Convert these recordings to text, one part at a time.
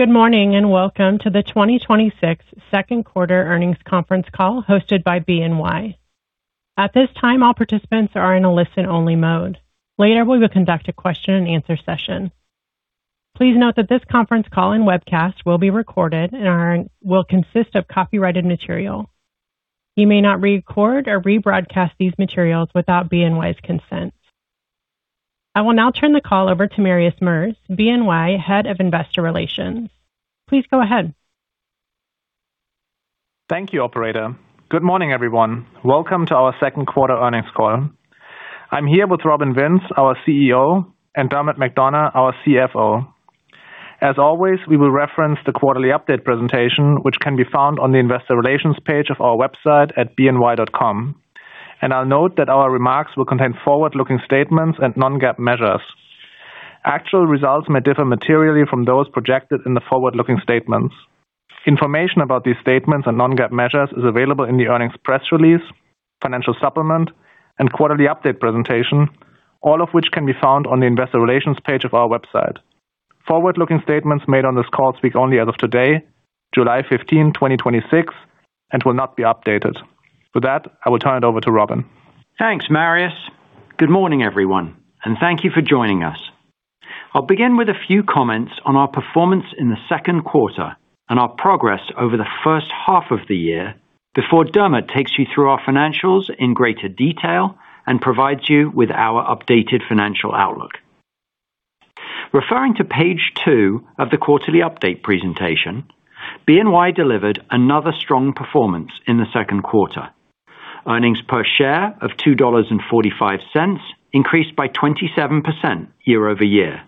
Good morning, welcome to the 2026 second quarter earnings conference call hosted by BNY. At this time, all participants are in a listen-only mode. Later, we will conduct a question-and-answer session. Please note that this conference call and webcast will be recorded and will consist of copyrighted material. You may not record or rebroadcast these materials without BNY's consent. I will now turn the call over to Marius Merz, BNY Head of Investor Relations. Please go ahead. Thank you, operator. Good morning, everyone. Welcome to our second quarter earnings call. I'm here with Robin Vince, our CEO, and Dermot McDonogh, our CFO. As always, we will reference the quarterly update presentation, which can be found on the investor relations page of our website at bny.com. I will note that our remarks will contain forward-looking statements and non-GAAP measures. Actual results may differ materially from those projected in the forward-looking statements. Information about these statements and non-GAAP measures is available in the earnings press release, financial supplement, and quarterly update presentation, all of which can be found on the investor relations page of our website. Forward-looking statements made on this call speak only as of today, July 15, 2026, and will not be updated. With that, I will turn it over to Robin. Thanks, Marius. Good morning, everyone, thank you for joining us. I'll begin with a few comments on our performance in the second quarter and our progress over the first half of the year before Dermot takes you through our financials in greater detail and provides you with our updated financial outlook. Referring to page two of the quarterly update presentation, BNY delivered another strong performance in the second quarter. Earnings per share of $2.45 increased by 27% year-over-year.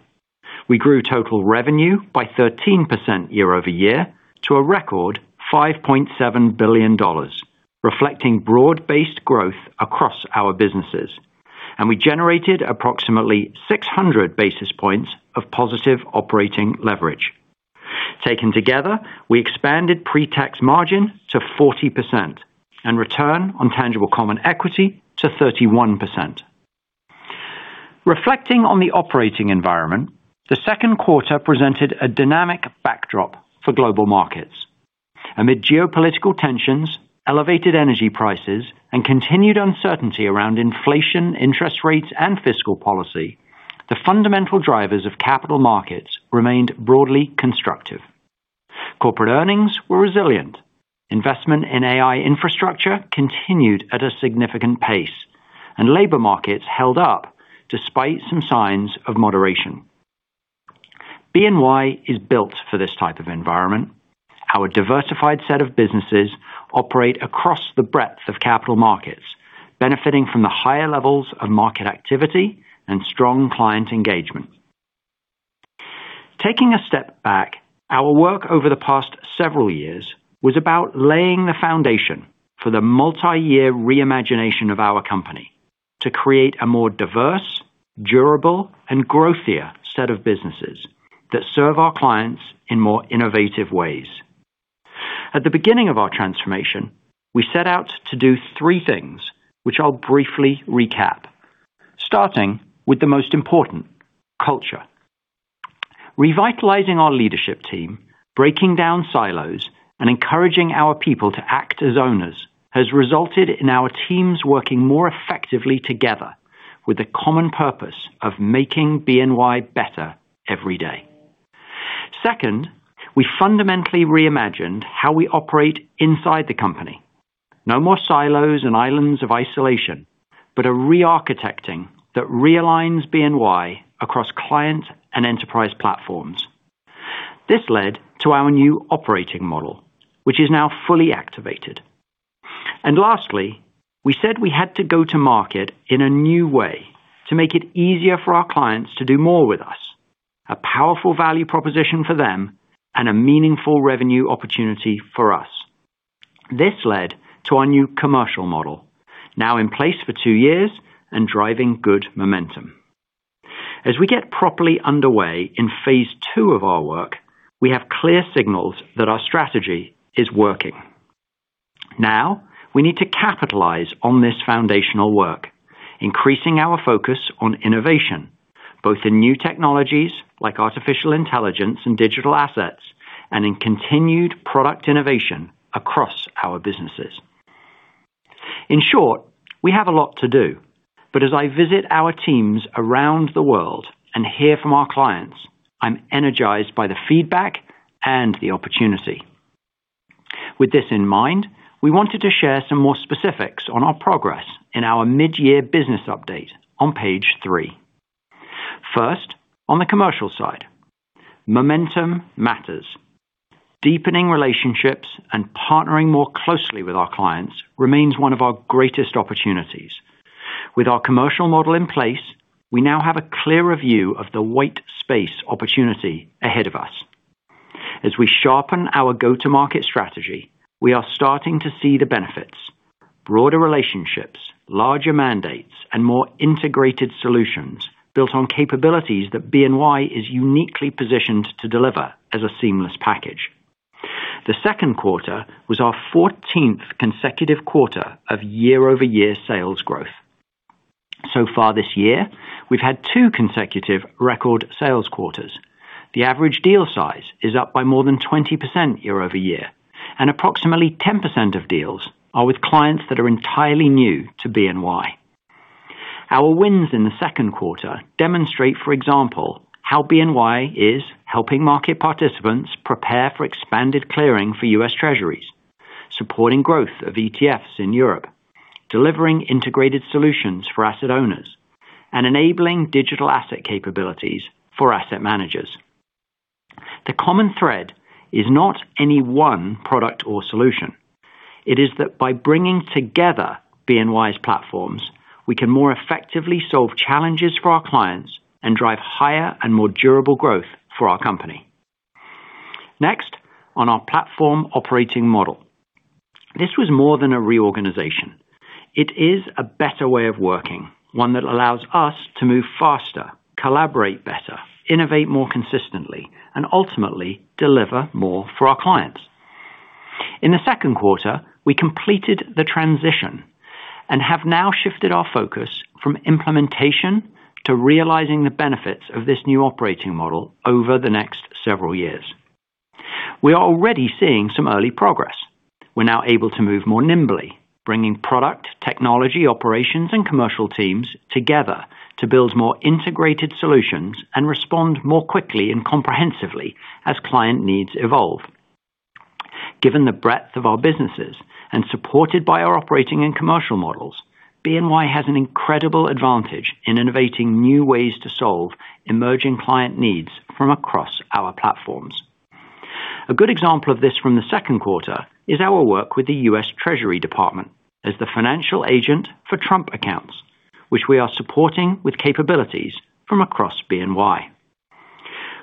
We grew total revenue by 13% year-over-year to a record $5.7 billion, reflecting broad-based growth across our businesses. We generated approximately 600 basis points of positive operating leverage. Taken together, we expanded pre-tax margin to 40% and return on tangible common equity to 31%. Reflecting on the operating environment, the second quarter presented a dynamic backdrop for global markets. Amid geopolitical tensions, elevated energy prices, and continued uncertainty around inflation, interest rates, and fiscal policy, the fundamental drivers of capital markets remained broadly constructive. Corporate earnings were resilient. Investment in AI infrastructure continued at a significant pace, and labor markets held up despite some signs of moderation. BNY is built for this type of environment. Our diversified set of businesses operate across the breadth of capital markets, benefiting from the higher levels of market activity and strong client engagement. Taking a step back, our work over the past several years was about laying the foundation for the multi-year reimagination of our company to create a more diverse, durable, and growthier set of businesses that serve our clients in more innovative ways. At the beginning of our transformation, we set out to do three things, which I'll briefly recap, starting with the most important, culture. Revitalizing our leadership team, breaking down silos, and encouraging our people to act as owners has resulted in our teams working more effectively together with the common purpose of making BNY better every day. Second, we fundamentally reimagined how we operate inside the company. No more silos and islands of isolation, but a re-architecting that realigns BNY across client and enterprise platforms. This led to our new operating model, which is now fully activated. Lastly, we said we had to go to market in a new way to make it easier for our clients to do more with us. A powerful value proposition for them and a meaningful revenue opportunity for us. This led to our new commercial model, now in place for two years and driving good momentum. As we get properly underway in phase 2 of our work, we have clear signals that our strategy is working. Now, we need to capitalize on this foundational work, increasing our focus on innovation, both in new technologies like artificial intelligence and digital assets, and in continued product innovation across our businesses. In short, we have a lot to do, but as I visit our teams around the world and hear from our clients, I'm energized by the feedback and the opportunity. With this in mind, we wanted to share some more specifics on our progress in our mid-year business update on page three. First, on the commercial side, momentum matters. Deepening relationships and partnering more closely with our clients remains one of our greatest opportunities. With our commercial model in place, we now have a clearer view of the white space opportunity ahead of us. As we sharpen our go-to-market strategy, we are starting to see the benefits, broader relationships, larger mandates, and more integrated solutions built on capabilities that BNY is uniquely positioned to deliver as a seamless package. The second quarter was our 14th consecutive quarter of year-over-year sales growth. So far this year, we've had two consecutive record sales quarters. The average deal size is up by more than 20% year-over-year, and approximately 10% of deals are with clients that are entirely new to BNY. Our wins in the second quarter demonstrate, for example, how BNY is helping market participants prepare for expanded clearing for US Treasuries, supporting growth of ETFs in Europe, delivering integrated solutions for asset owners, and enabling digital asset capabilities for asset managers. The common thread is not any one product or solution. It is that by bringing together BNY's platforms, we can more effectively solve challenges for our clients and drive higher and more durable growth for our company. Next, on our platform operating model. This was more than a reorganization. It is a better way of working, one that allows us to move faster, collaborate better, innovate more consistently, and ultimately deliver more for our clients. In the second quarter, we completed the transition and have now shifted our focus from implementation to realizing the benefits of this new operating model over the next several years. We are already seeing some early progress. We're now able to move more nimbly, bringing product, technology, operations, and commercial teams together to build more integrated solutions and respond more quickly and comprehensively as client needs evolve. Given the breadth of our businesses and supported by our operating and commercial models, BNY has an incredible advantage in innovating new ways to solve emerging client needs from across our platforms. A good example of this from the second quarter is our work with the U.S. Department of the Treasury as the financial agent for Trump Accounts, which we are supporting with capabilities from across BNY.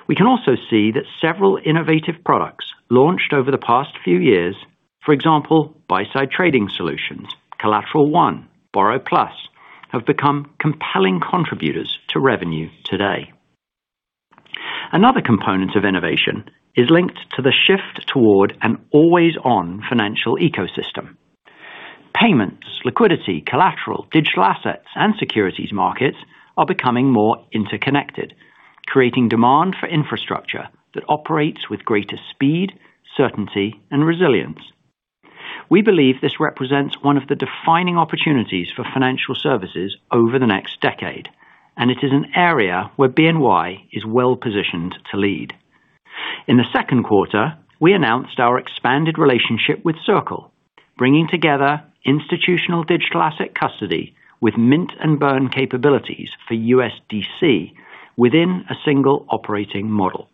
We can also see that several innovative products launched over the past few years, for example, buy-side trading solutions, CollateralOne, Borrow+, have become compelling contributors to revenue today. Another component of innovation is linked to the shift toward an always-on financial ecosystem. Payments, liquidity, collateral, digital assets, and securities markets are becoming more interconnected, creating demand for infrastructure that operates with greater speed, certainty, and resilience. We believe this represents one of the defining opportunities for financial services over the next decade. It is an area where BNY is well-positioned to lead. In the second quarter, we announced our expanded relationship with Circle, bringing together institutional digital asset custody with mint and burn capabilities for USDC within a single operating model.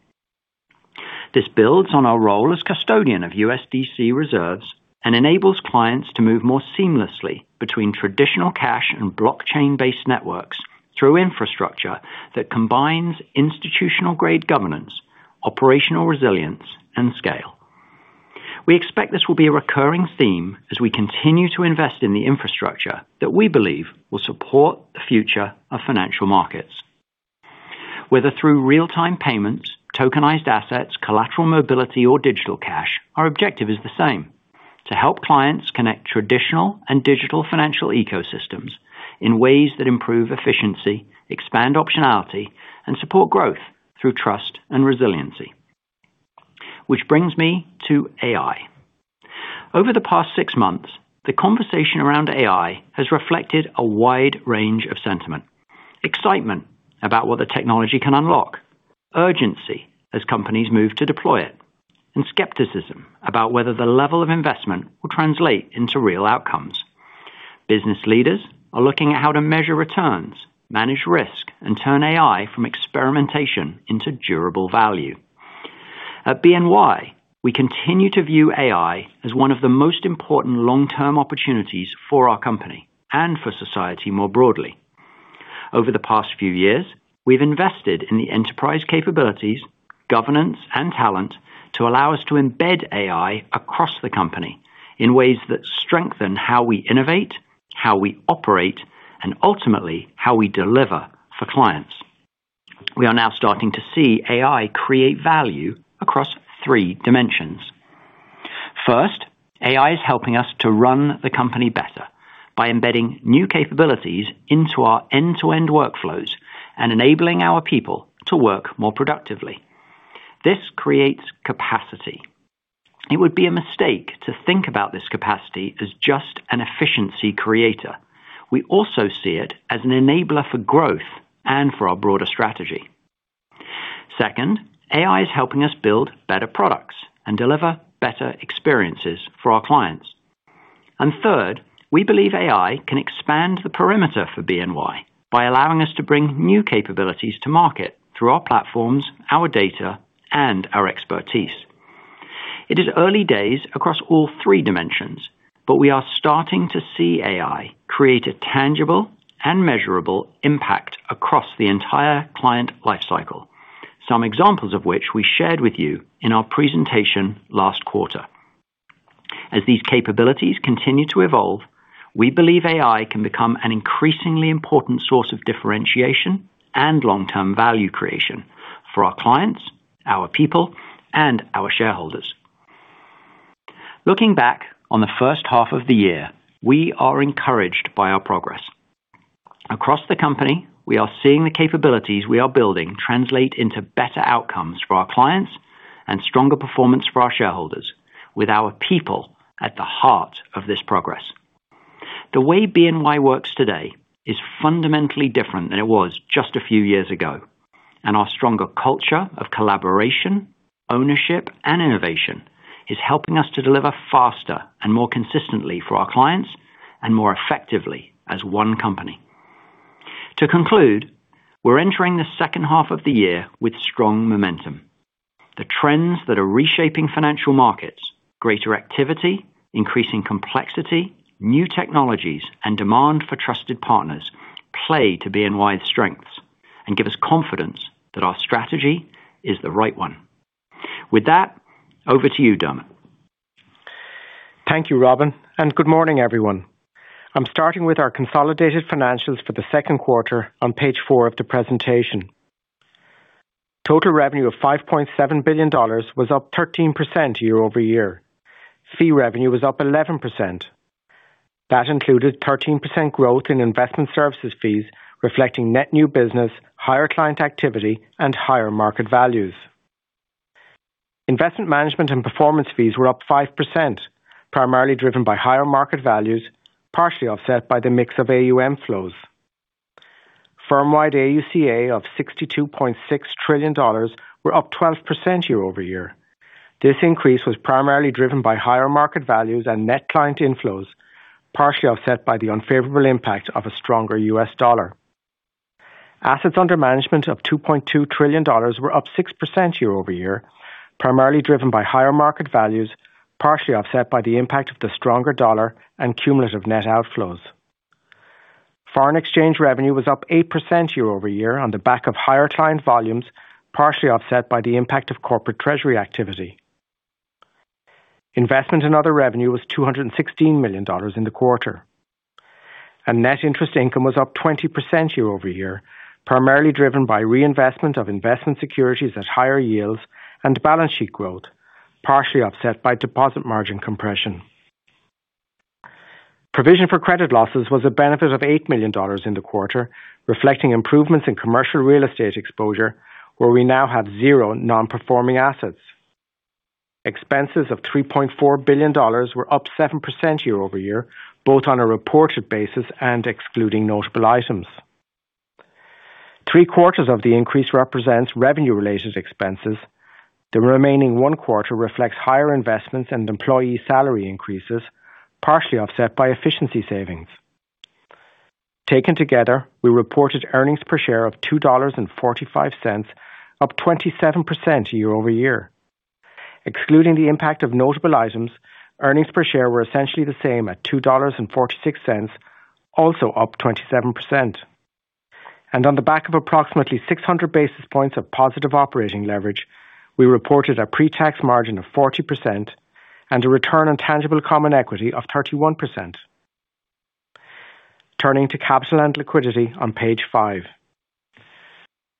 This builds on our role as custodian of USDC reserves and enables clients to move more seamlessly between traditional cash and blockchain-based networks through infrastructure that combines institutional-grade governance, operational resilience, and scale. We expect this will be a recurring theme as we continue to invest in the infrastructure that we believe will support the future of financial markets. Whether through real-time payments, tokenized assets, collateral mobility, or digital cash, our objective is the same, to help clients connect traditional and digital financial ecosystems in ways that improve efficiency, expand optionality, and support growth through trust and resiliency. Which brings me to AI. Over the past six months, the conversation around AI has reflected a wide range of sentiment. Excitement about what the technology can unlock, urgency as companies move to deploy it, and skepticism about whether the level of investment will translate into real outcomes. Business leaders are looking at how to measure returns, manage risk, and turn AI from experimentation into durable value. At BNY, we continue to view AI as one of the most important long-term opportunities for our company and for society more broadly. Over the past few years, we've invested in the enterprise capabilities, governance, and talent to allow us to embed AI across the company in ways that strengthen how we innovate, how we operate, and ultimately, how we deliver for clients. We are now starting to see AI create value across three dimensions. First, AI is helping us to run the company better by embedding new capabilities into our end-to-end workflows and enabling our people to work more productively. This creates capacity. It would be a mistake to think about this capacity as just an efficiency creator. We also see it as an enabler for growth and for our broader strategy. Second, AI is helping us build better products and deliver better experiences for our clients. Third, we believe AI can expand the perimeter for BNY by allowing us to bring new capabilities to market through our platforms, our data, and our expertise. It is early days across all three dimensions, but we are starting to see AI create a tangible and measurable impact across the entire client life cycle. Some examples of which we shared with you in our presentation last quarter. As these capabilities continue to evolve, we believe AI can become an increasingly important source of differentiation and long-term value creation for our clients, our people, and our shareholders. Looking back on the first half of the year, we are encouraged by our progress. Across the company, we are seeing the capabilities we are building translate into better outcomes for our clients and stronger performance for our shareholders, with our people at the heart of this progress. The way BNY works today is fundamentally different than it was just a few years ago, and our stronger culture of collaboration, ownership, and innovation is helping us to deliver faster and more consistently for our clients and more effectively as one company. To conclude, we're entering the second half of the year with strong momentum. The trends that are reshaping financial markets, greater activity, increasing complexity, new technologies, and demand for trusted partners play to BNY's strengths and give us confidence that our strategy is the right one. With that, over to you, Dermot. Thank you, Robin, and good morning, everyone. I'm starting with our consolidated financials for the second quarter on page four of the presentation. Total revenue of $5.7 billion was up 13% year-over-year. Fee revenue was up 11%. That included 13% growth in investment services fees, reflecting net new business, higher client activity, and higher market values. Investment management and performance fees were up 5%, primarily driven by higher market values, partially offset by the mix of AUM flows. Firm-wide AUC/A of $62.6 trillion were up 12% year-over-year. This increase was primarily driven by higher market values and net client inflows, partially offset by the unfavorable impact of a stronger US dollar. Assets under management of $2.2 trillion were up 6% year-over-year, primarily driven by higher market values, partially offset by the impact of the stronger dollar and cumulative net outflows. Foreign exchange revenue was up 8% year-over-year on the back of higher client volumes, partially offset by the impact of corporate treasury activity. Investment in other revenue was $216 million in the quarter. Net interest income was up 20% year-over-year, primarily driven by reinvestment of investment securities at higher yields and balance sheet growth, partially offset by deposit margin compression. Provision for credit losses was a benefit of $8 million in the quarter, reflecting improvements in commercial real estate exposure, where we now have zero non-performing assets. Expenses of $3.4 billion were up 7% year-over-year, both on a reported basis and excluding notable items. Three quarters of the increase represents revenue related expenses. The remaining one quarter reflects higher investments and employee salary increases, partially offset by efficiency savings. Taken together, we reported earnings per share of $2.45, up 27% year-over-year. Excluding the impact of notable items, earnings per share were essentially the same at $2.46, also up 27%. On the back of approximately 600 basis points of positive operating leverage, we reported a pre-tax margin of 40% and a return on tangible common equity of 31%. Turning to capital and liquidity on page five.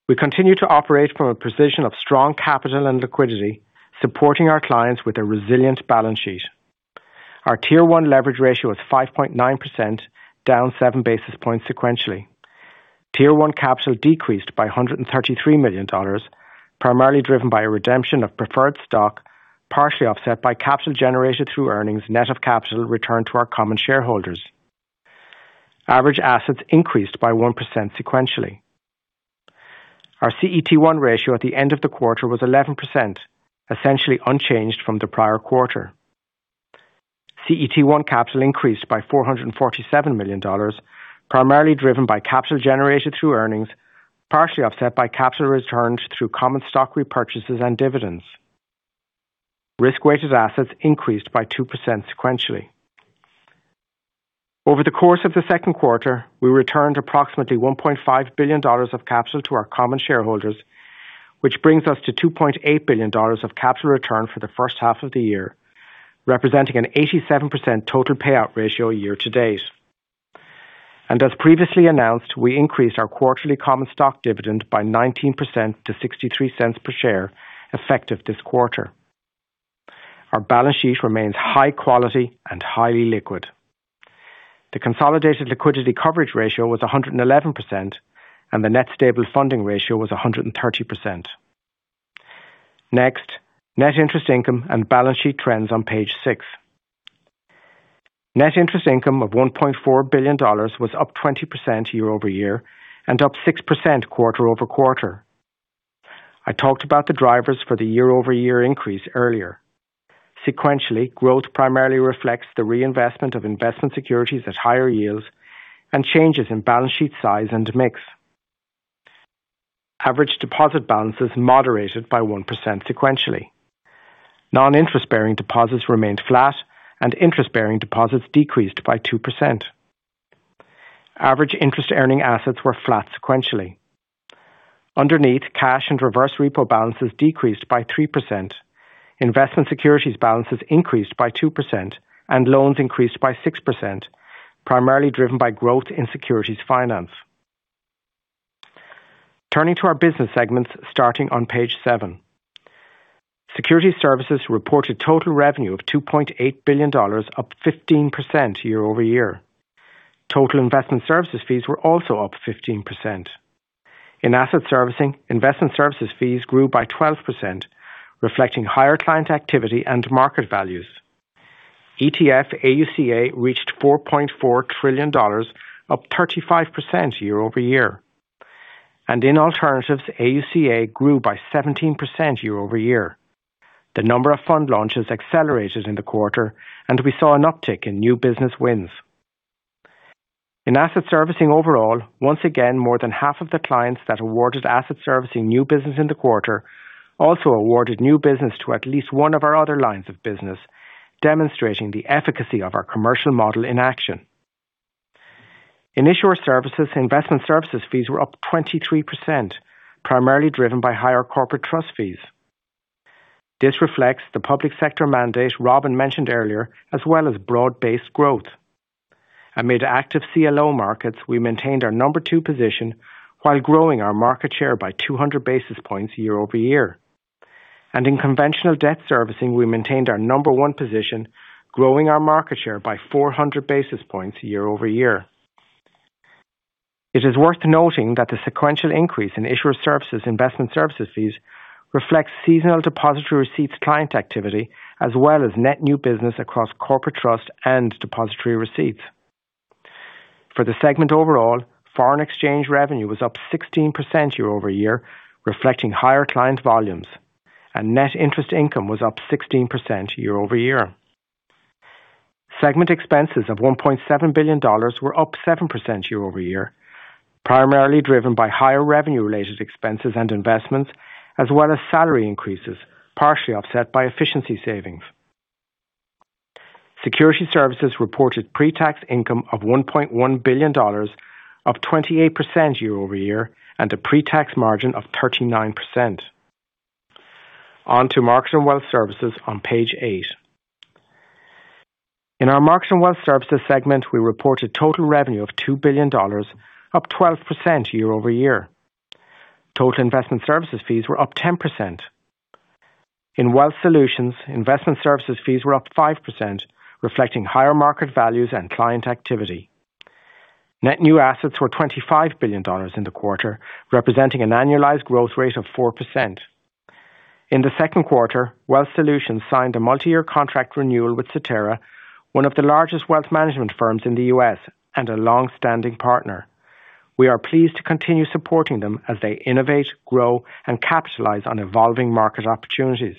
We continue to operate from a position of strong capital and liquidity, supporting our clients with a resilient balance sheet. Our Tier 1 leverage ratio is 5.9%, down 7 basis points sequentially. Tier 1 capital decreased by $133 million, primarily driven by a redemption of preferred stock, partially offset by capital generated through earnings net of capital returned to our common shareholders. Average assets increased by 1% sequentially. Our CET1 ratio at the end of the quarter was 11%, essentially unchanged from the prior quarter. CET1 capital increased by $447 million, primarily driven by capital generated through earnings, partially offset by capital returned through common stock repurchases and dividends. Risk-weighted assets increased by 2% sequentially. Over the course of the second quarter, we returned approximately $1.5 billion of capital to our common shareholders, which brings us to $2.8 billion of capital return for the first half of the year, representing an 87% total payout ratio year-to-date. As previously announced, we increased our quarterly common stock dividend by 19% to $0.63 per share effective this quarter. Our balance sheet remains high quality and highly liquid. The consolidated liquidity coverage ratio was 111%, and the net stable funding ratio was 130%. Next, net interest income and balance sheet trends on page six. Net interest income of $1.4 billion was up 20% year-over-year and up 6% quarter-over-quarter. I talked about the drivers for the year-over-year increase earlier. Sequentially, growth primarily reflects the reinvestment of investment securities at higher yields and changes in balance sheet size and mix. Average deposit balances moderated by 1% sequentially. Non-interest-bearing deposits remained flat and interest-bearing deposits decreased by 2%. Average interest earning assets were flat sequentially. Underneath cash and reverse repo balances decreased by 3%. Investment securities balances increased by 2% and loans increased by 6%, primarily driven by growth in securities finance. Turning to our business segments, starting on page seven. Securities Services reported total revenue of $2.8 billion, up 15% year-over-year. Total investment services fees were also up 15%. In asset servicing, investment services fees grew by 12%, reflecting higher client activity and market values. ETF AUC/A reached $4.4 trillion, up 35% year-over-year. In alternatives, AUC/A grew by 17% year-over-year. The number of fund launches accelerated in the quarter. We saw an uptick in new business wins. In asset servicing overall, once again, more than half of the clients that awarded asset servicing new business in the quarter also awarded new business to at least one of our other lines of business, demonstrating the efficacy of our commercial model in action. In issuer services, investment services fees were up 23%, primarily driven by higher corporate trust fees. This reflects the public sector mandate Robin mentioned earlier, as well as broad-based growth. Amid active CLO markets, we maintained our number two position while growing our market share by 200 basis points year-over-year. In conventional debt servicing, we maintained our number 1 position, growing our market share by 400 basis points year-over-year. It is worth noting that the sequential increase in issuer services investment services fees reflects seasonal depository receipts client activity, as well as net new business across corporate trust and depository receipts. For the segment overall, foreign exchange revenue was up 16% year-over-year, reflecting higher client volumes, and net interest income was up 16% year-over-year. Segment expenses of $1.7 billion were up 7% year-over-year, primarily driven by higher revenue-related expenses and investments, as well as salary increases, partially offset by efficiency savings. Securities Services reported pre-tax income of $1.1 billion, up 28% year-over-year, and a pre-tax margin of 39%. On to Market and Wealth Services on page eight. In our Market and Wealth Services segment, we reported total revenue of $2 billion, up 12% year-over-year. Total investment services fees were up 10%. In Wealth Solutions, investment services fees were up 5%, reflecting higher market values and client activity. Net new assets were $25 billion in the quarter, representing an annualized growth rate of 4%. In the second quarter, Wealth Solutions signed a multi-year contract renewal with Cetera, one of the largest wealth management firms in the U.S. and a long-standing partner. We are pleased to continue supporting them as they innovate, grow, and capitalize on evolving market opportunities.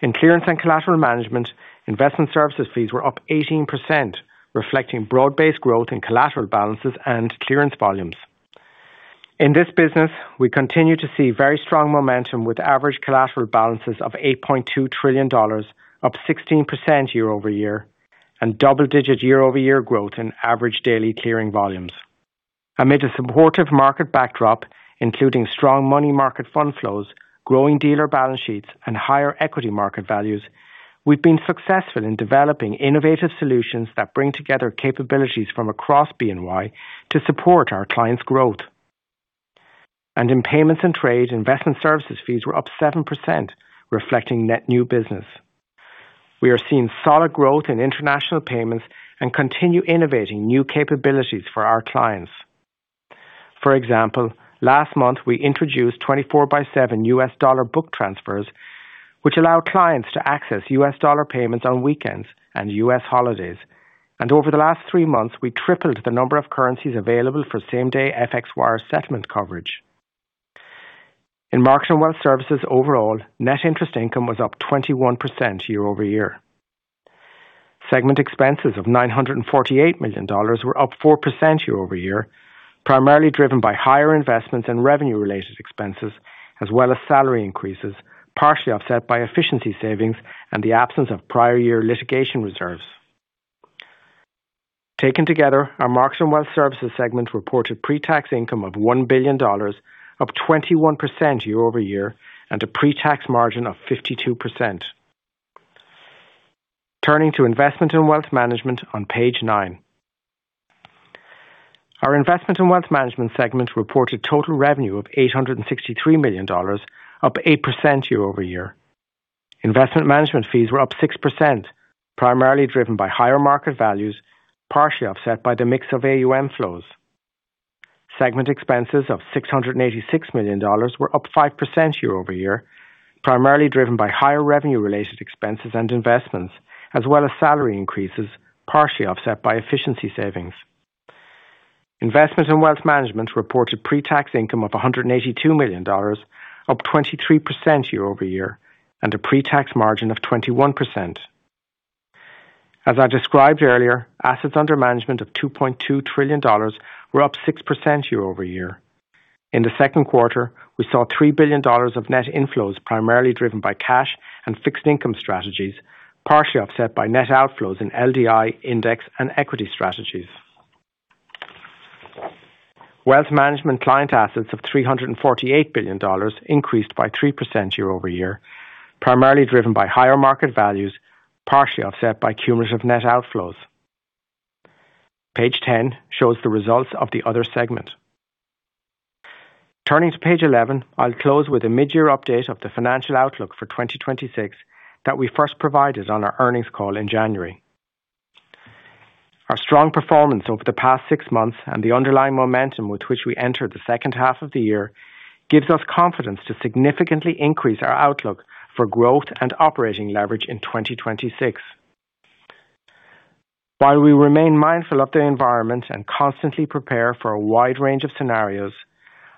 In clearance and collateral management, investment services fees were up 18%, reflecting broad-based growth in collateral balances and clearance volumes. In this business, we continue to see very strong momentum with average collateral balances of $8.2 trillion, up 16% year-over-year, and double-digit year-over-year growth in average daily clearing volumes. Amid a supportive market backdrop, including strong money market fund flows, growing dealer balance sheets, and higher equity market values, we've been successful in developing innovative solutions that bring together capabilities from across BNY to support our clients' growth. In payments and trade, investment services fees were up 7%, reflecting net new business. We are seeing solid growth in international payments and continue innovating new capabilities for our clients. For example, last month we introduced 24/7 US dollar book transfers, which allow clients to access US dollar payments on weekends and US holidays. Over the last three months, we tripled the number of currencies available for same-day FX wire settlement coverage. In Market and Wealth Services overall, net interest income was up 21% year-over-year. Segment expenses of $948 million were up 4% year-over-year, primarily driven by higher investments in revenue-related expenses as well as salary increases, partially offset by efficiency savings and the absence of prior year litigation reserves. Taken together, our Market and Wealth Services segment reported pre-tax income of $1 billion, up 21% year-over-year, and a pre-tax margin of 52%. Turning to Investment and Wealth Management on page nine. Our Investment and Wealth Management segment reported total revenue of $863 million, up 8% year-over-year. Investment management fees were up 6%, primarily driven by higher market values, partially offset by the mix of AUM flows. Segment expenses of $686 million were up 5% year-over-year, primarily driven by higher revenue-related expenses and investments, as well as salary increases, partially offset by efficiency savings. Investment and Wealth Management reported pre-tax income of $182 million, up 23% year-over-year, and a pre-tax margin of 21%. As I described earlier, assets under management of $2.2 trillion were up 6% year-over-year. In the second quarter, we saw $3 billion of net inflows primarily driven by cash and fixed income strategies, partially offset by net outflows in LDI index and equity strategies. Wealth Management client assets of $348 billion increased by 3% year-over-year, primarily driven by higher market values, partially offset by cumulative net outflows. Page 10 shows the results of the other segment. Turning to page 11, I will close with a mid-year update of the financial outlook for 2026 that we first provided on our earnings call in January. Our strong performance over the past six months and the underlying momentum with which we entered the second half of the year gives us confidence to significantly increase our outlook for growth and operating leverage in 2026. While we remain mindful of the environment and constantly prepare for a wide range of scenarios,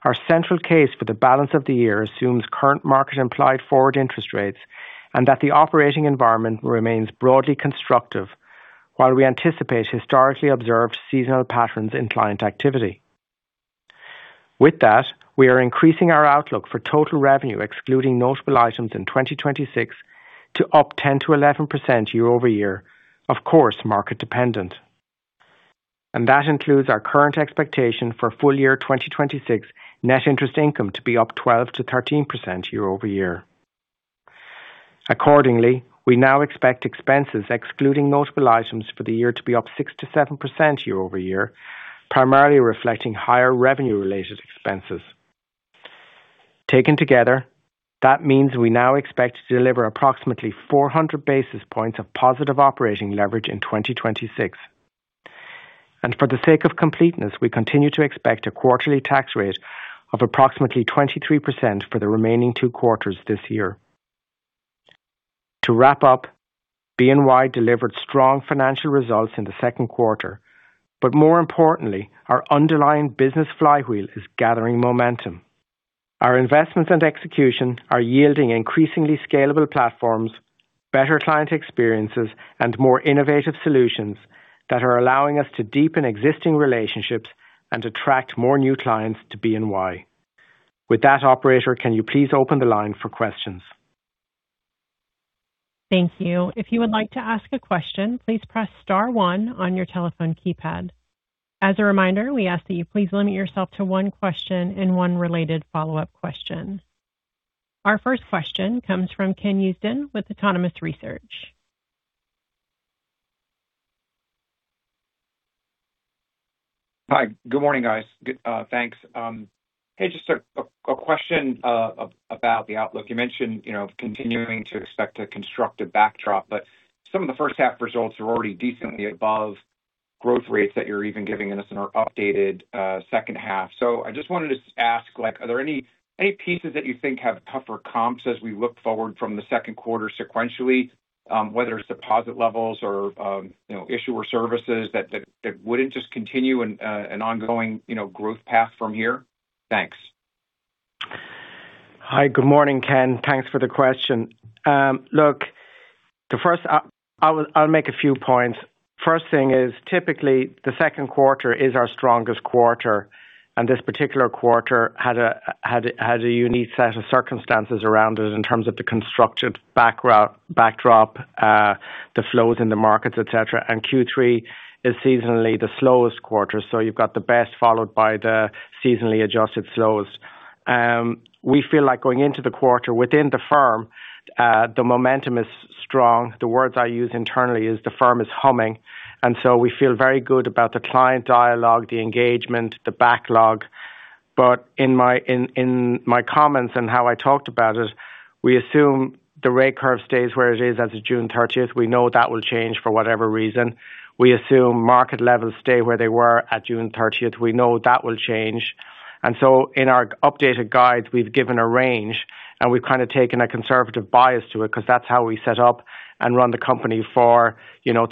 our central case for the balance of the year assumes current market-implied forward interest rates, and that the operating environment remains broadly constructive while we anticipate historically observed seasonal patterns in client activity. With that, we are increasing our outlook for total revenue, excluding notable items in 2026 to up 10%-11% year-over-year. Of course, market dependent. That includes our current expectation for full year 2026 net interest income to be up 12%-13% year-over-year. Accordingly, we now expect expenses excluding notable items for the year to be up 6%-7% year-over-year, primarily reflecting higher revenue-related expenses. Taken together, that means we now expect to deliver approximately 400 basis points of positive operating leverage in 2026. For the sake of completeness, we continue to expect a quarterly tax rate of approximately 23% for the remaining two quarters this year. To wrap up, BNY delivered strong financial results in the second quarter, but more importantly, our underlying business flywheel is gathering momentum. Our investments and execution are yielding increasingly scalable platforms, better client experiences, and more innovative solutions that are allowing us to deepen existing relationships and attract more new clients to BNY. With that, operator, can you please open the line for questions? Thank you. If you would like to ask a question, please press star one on your telephone keypad. As a reminder, we ask that you please limit yourself to one question and one related follow-up question. Our first question comes from Ken Usdin with Autonomous Research. Hi. Good morning, guys. Thanks. Just a question about the outlook. You mentioned continuing to expect a constructive backdrop, some of the first half results are already decently above growth rates that you're even giving us in our updated second half. I just wanted to ask, are there any pieces that you think have tougher comps as we look forward from the second quarter sequentially, whether it's deposit levels or issuer services that wouldn't just continue an ongoing growth path from here? Thanks. Hi. Good morning, Ken. Thanks for the question. I'll make a few points. First thing is, typically the second quarter is our strongest quarter, this particular quarter had a unique set of circumstances around it in terms of the constructed backdrop, the flows in the markets, et cetera. Q3 is seasonally the slowest quarter. You've got the best followed by the seasonally adjusted slowest. We feel like going into the quarter within the firm, the momentum is strong. The words I use internally is the firm is humming, we feel very good about the client dialogue, the engagement, the backlog. In my comments and how I talked about it, we assume the rate curve stays where it is as of June 30th. We know that will change for whatever reason. We assume market levels stay where they were at June 30th. We know that will change. In our updated guides, we've given a range, we've kind of taken a conservative bias to it because that's how we set up and run the company for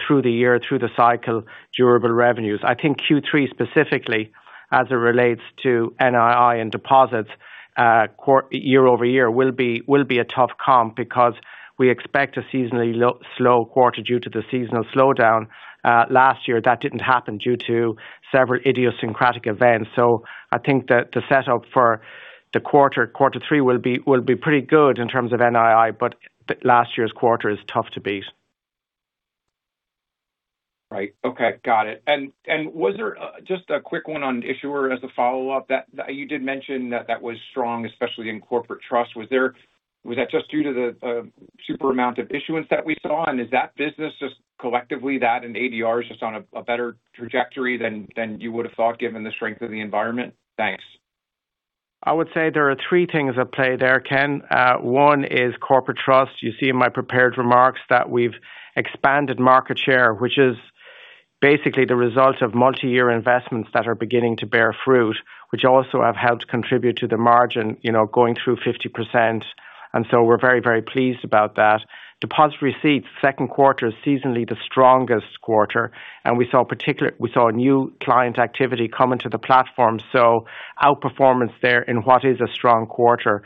through the year, through the cycle, durable revenues. I think Q3 specifically as it relates to NII and deposits year-over-year will be a tough comp because we expect a seasonally slow quarter due to the seasonal slowdown. Last year, that didn't happen due to several idiosyncratic events. I think that the setup for the quarter three, will be pretty good in terms of NII, last year's quarter is tough to beat. Right. Okay. Got it. Just a quick one on issuer as a follow-up. You did mention that that was strong, especially in corporate trust. Was that just due to the super amount of issuance that we saw? Is that business just collectively that and ADR is just on a better trajectory than you would have thought given the strength of the environment? Thanks. I would say there are three things at play there, Ken. One is corporate trust. You see in my prepared remarks that we've expanded market share, which is basically the result of multi-year investments that are beginning to bear fruit, which also have helped contribute to the margin going through 50%. We're very, very pleased about that. Deposit receipts, second quarter is seasonally the strongest quarter, and we saw new client activity come into the platform. Outperformance there in what is a strong quarter.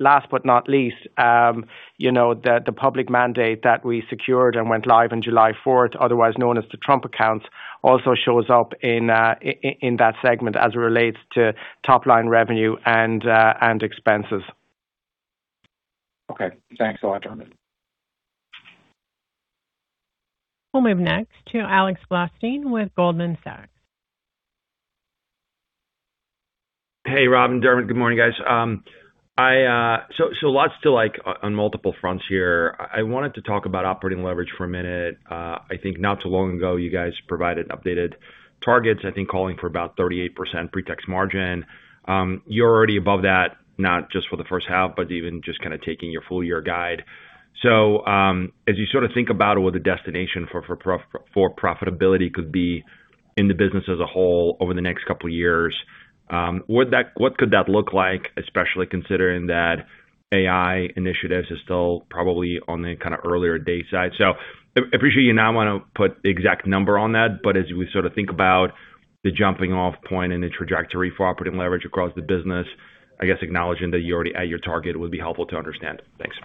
Last but not least, the public mandate that we secured and went live on July 4th, otherwise known as the Trump Accounts, also shows up in that segment as it relates to top-line revenue and expenses. Okay. Thanks a lot. We'll move next to Alex Blostein with Goldman Sachs. Hey, Robin, Dermot. Good morning, guys. Lots to like on multiple fronts here. I wanted to talk about operating leverage for a minute. I think not too long ago, you guys provided updated targets, I think calling for about 38% pre-tax margin. You're already above that, not just for the first half, but even just kind of taking your full year guide. As you think about what the destination for profitability could be in the business as a whole over the next couple of years, what could that look like, especially considering that AI initiatives are still probably on the kind of earlier day side. I appreciate you now want to put the exact number on that, but as we sort of think about the jumping off point and the trajectory for operating leverage across the business, I guess acknowledging that you are already at your target would be helpful to understand. Thanks.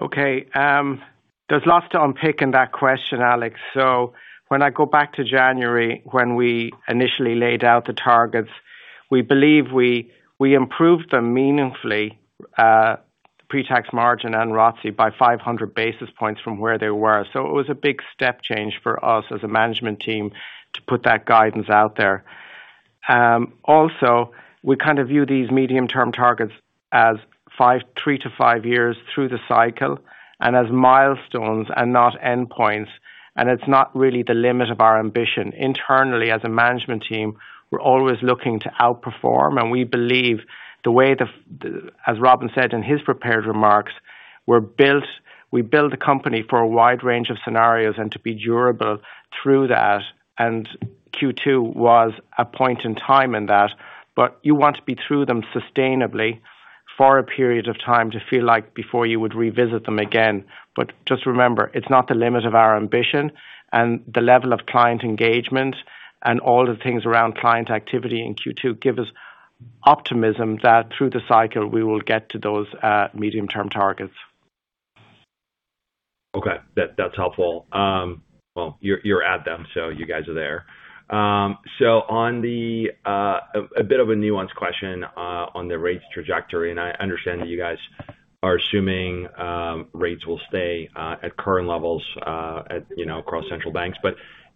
Okay. There is lots to unpick in that question, Alex. When I go back to January, when we initially laid out the targets, we believe we improved them meaningfully, pre-tax margin and ROTCE, by 500 basis points from where they were. It was a big step change for us as a management team to put that guidance out there. Also, we kind of view these medium-term targets as three to five years through the cycle and as milestones and not endpoints, and it is not really the limit of our ambition. Internally, as a management team, we are always looking to outperform, and we believe the way as Robin said in his prepared remarks, we build a company for a wide range of scenarios and to be durable through that, and Q2 was a point in time in that. You want to be through them sustainably for a period of time to feel like before you would revisit them again. Just remember, it is not the limit of our ambition, and the level of client engagement and all the things around client activity in Q2 give us optimism that through the cycle, we will get to those medium-term targets. Okay. That is helpful. You are at them, you guys are there. A bit of a nuanced question on the rates trajectory, I understand that you guys are assuming rates will stay at current levels across central banks.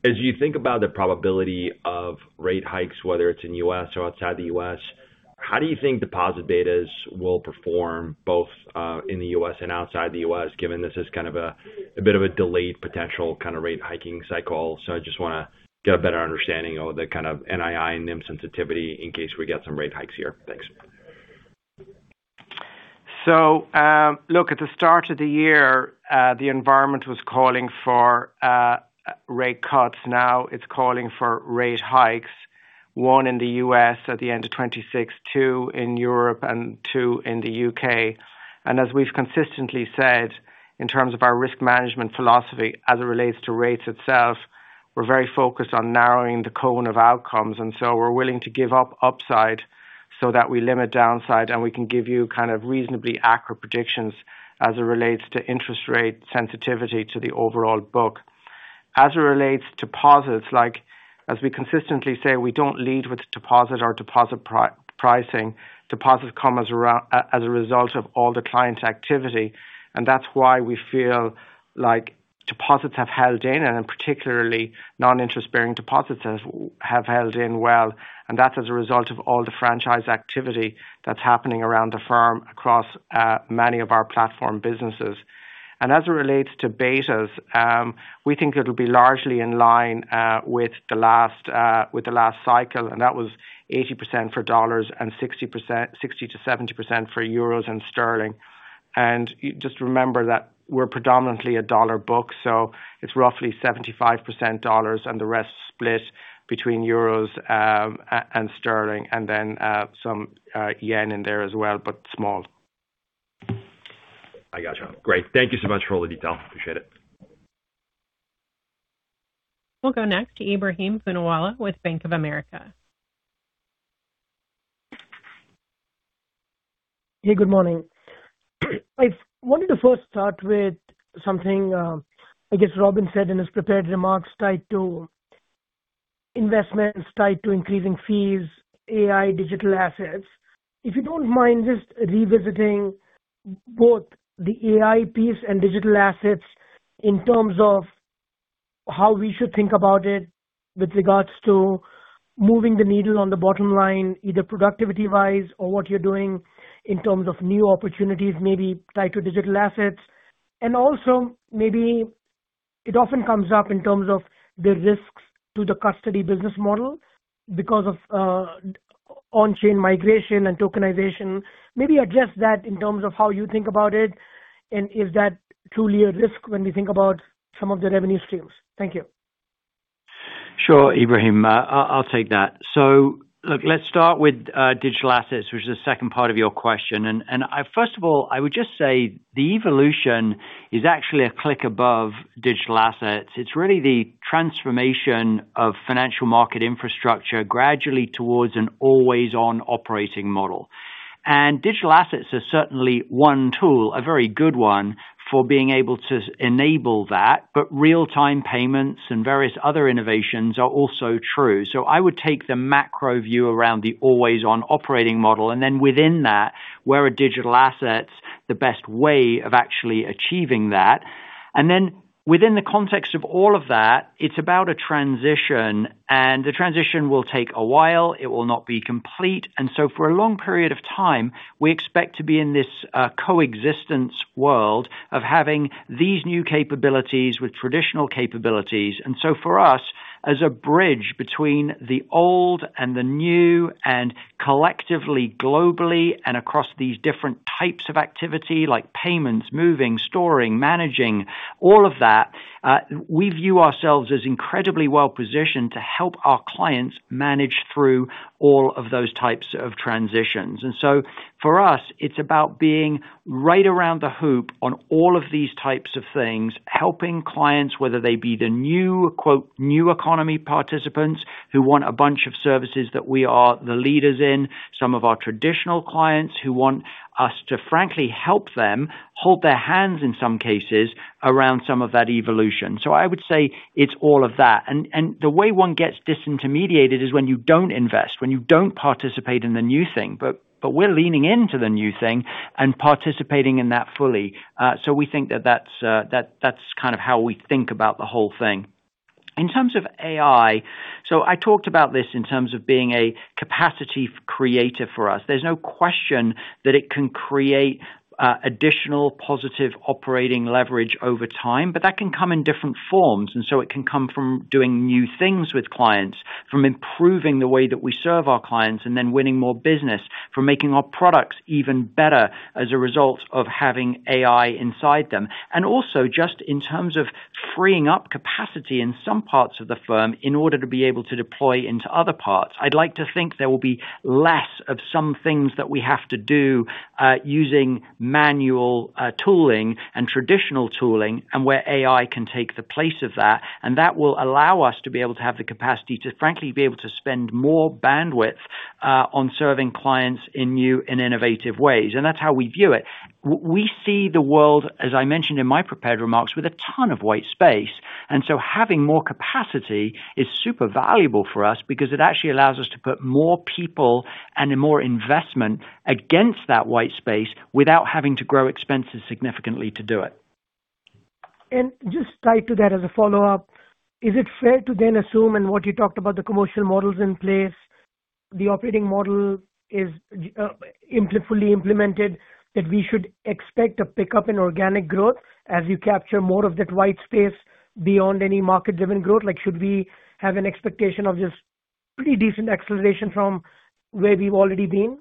As you think about the probability of rate hikes, whether it is in the U.S. or outside the U.S., how do you think deposit betas will perform both in the U.S. and outside the U.S., given this is kind of a bit of a delayed potential kind of rate hiking cycle? I just want to get a better understanding of the kind of NII and NIM sensitivity in case we get some rate hikes here. Thanks. Look, at the start of the year, the environment was calling for rate cuts. Now it's calling for rate hikes, one in the U.S. at the end of 2026, two in Europe and two in the U.K. As we've consistently said, in terms of our risk management philosophy as it relates to rates itself, we're very focused on narrowing the cone of outcomes, we're willing to give up upside so that we limit downside, and we can give you kind of reasonably accurate predictions as it relates to interest rate sensitivity to the overall book. As it relates deposits, like we consistently say, we don't lead with deposit or deposit pricing. Deposits come as a result of all the client activity, that's why we feel like deposits have held in, particularly non-interest-bearing deposits have held in well, that's as a result of all the franchise activity that's happening around the firm across many of our platform businesses. As it relates to betas, we think it'll be largely in line with the last cycle, that was 80% for dollars and 60%-70% for EUR and GBP. Just remember that we're predominantly a dollar book, it's roughly 75% dollars, the rest split between EUR and GBP, then some JPY in there as well, but small. I got you. Great. Thank you so much for all the detail. Appreciate it. We'll go next to Ebrahim Poonawala with Bank of America. Hey, good morning. I wanted to first start with something, I guess Robin said in his prepared remarks tied to investments, tied to increasing fees, AI, digital assets. If you don't mind just revisiting both the AI piece and digital assets in terms of how we should think about it with regards to moving the needle on the bottom line, either productivity-wise or what you're doing in terms of new opportunities, maybe tied to digital assets. Also, maybe it often comes up in terms of the risks to the custody business model because of on-chain migration and tokenization. Maybe address that in terms of how you think about it, and is that truly a risk when we think about some of the revenue streams? Thank you. Sure, Ebrahim. I'll take that. Look, let's start with digital assets, which is the second part of your question. First of all, I would just say the evolution is actually a click above digital assets. It's really the transformation of financial market infrastructure gradually towards an always-on operating model. Digital assets are certainly one tool, a very good one, for being able to enable that, real-time payments and various other innovations are also true. I would take the macro view around the always-on operating model, then within that, where are digital assets the best way of actually achieving that? Then within the context of all of that, it's about a transition, the transition will take a while. It will not be complete. For a long period of time, we expect to be in this coexistence world of having these new capabilities with traditional capabilities. For us, as a bridge between the old and the new and collectively, globally, and across these different types of activity, like payments, moving, storing, managing, all of that, we view ourselves as incredibly well-positioned to help our clients manage through all of those types of transitions. For us, it's about being right around the hoop on all of these types of things, helping clients, whether they be the new, quote, "new economy participants" who want a bunch of services that we are the leaders in, some of our traditional clients who want us to frankly help them hold their hands in some cases around some of that evolution. I would say it's all of that. The way one gets disintermediated is when you don't invest, when you don't participate in the new thing. We're leaning into the new thing and participating in that fully. We think that that's kind of how we think about the whole thing. In terms of AI, I talked about this in terms of being a capacity creator for us. There's no question that it can create additional positive operating leverage over time, but that can come in different forms. It can come from doing new things with clients, from improving the way that we serve our clients, and then winning more business, from making our products even better as a result of having AI inside them. Also just in terms of freeing up capacity in some parts of the firm in order to be able to deploy into other parts. I'd like to think there will be less of some things that we have to do, using manual tooling and traditional tooling, where AI can take the place of that. That will allow us to be able to have the capacity to frankly be able to spend more bandwidth on serving clients in new and innovative ways. That's how we view it. We see the world, as I mentioned in my prepared remarks, with a ton of white space. Having more capacity is super valuable for us because it actually allows us to put more people and more investment against that white space without having to grow expenses significantly to do it. Just tied to that as a follow-up, is it fair to then assume and what you talked about the commercial models in place, the operating model is fully implemented, that we should expect a pickup in organic growth as you capture more of that white space beyond any market-driven growth? Should we have an expectation of just pretty decent acceleration from where we've already been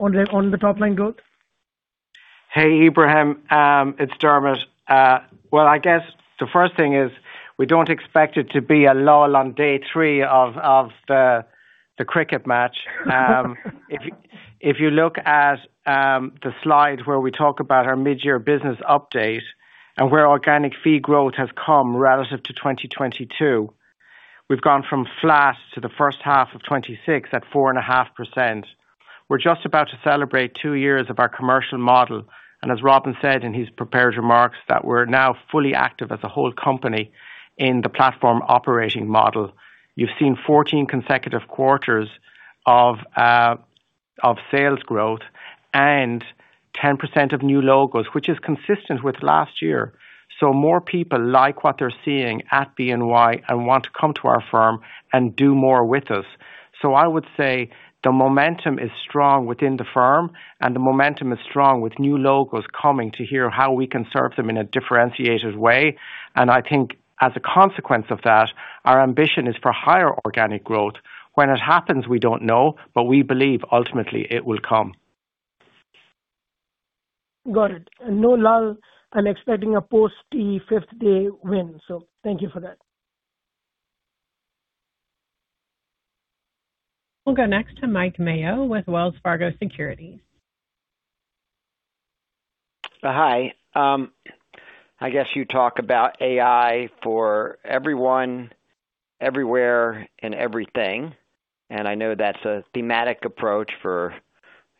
on the top-line growth? Hey, Ebrahim. It's Dermot. Well, I guess the first thing is we don't expect it to be a lull on day three of the cricket match. If you look at the slide where we talk about our mid-year business update and where organic fee growth has come relative to 2022, we've gone from flat to the first half of 2026 at 4.5%. We're just about to celebrate two years of our commercial model, and as Robin said in his prepared remarks, that we're now fully active as a whole company in the platform operating model. You've seen 14 consecutive quarters of sales growth and 10% of new logos, which is consistent with last year. More people like what they're seeing at BNY and want to come to our firm and do more with us. I would say the momentum is strong within the firm, the momentum is strong with new logos coming to hear how we can serve them in a differentiated way. I think as a consequence of that, our ambition is for higher organic growth. When it happens, we don't know, but we believe ultimately it will come. Got it. No lull, expecting a post-fifth day win. Thank you for that. We'll go next to Mike Mayo with Wells Fargo Securities. Hi. I guess you talk about AI for everyone, everywhere, and everything, I know that's a thematic approach for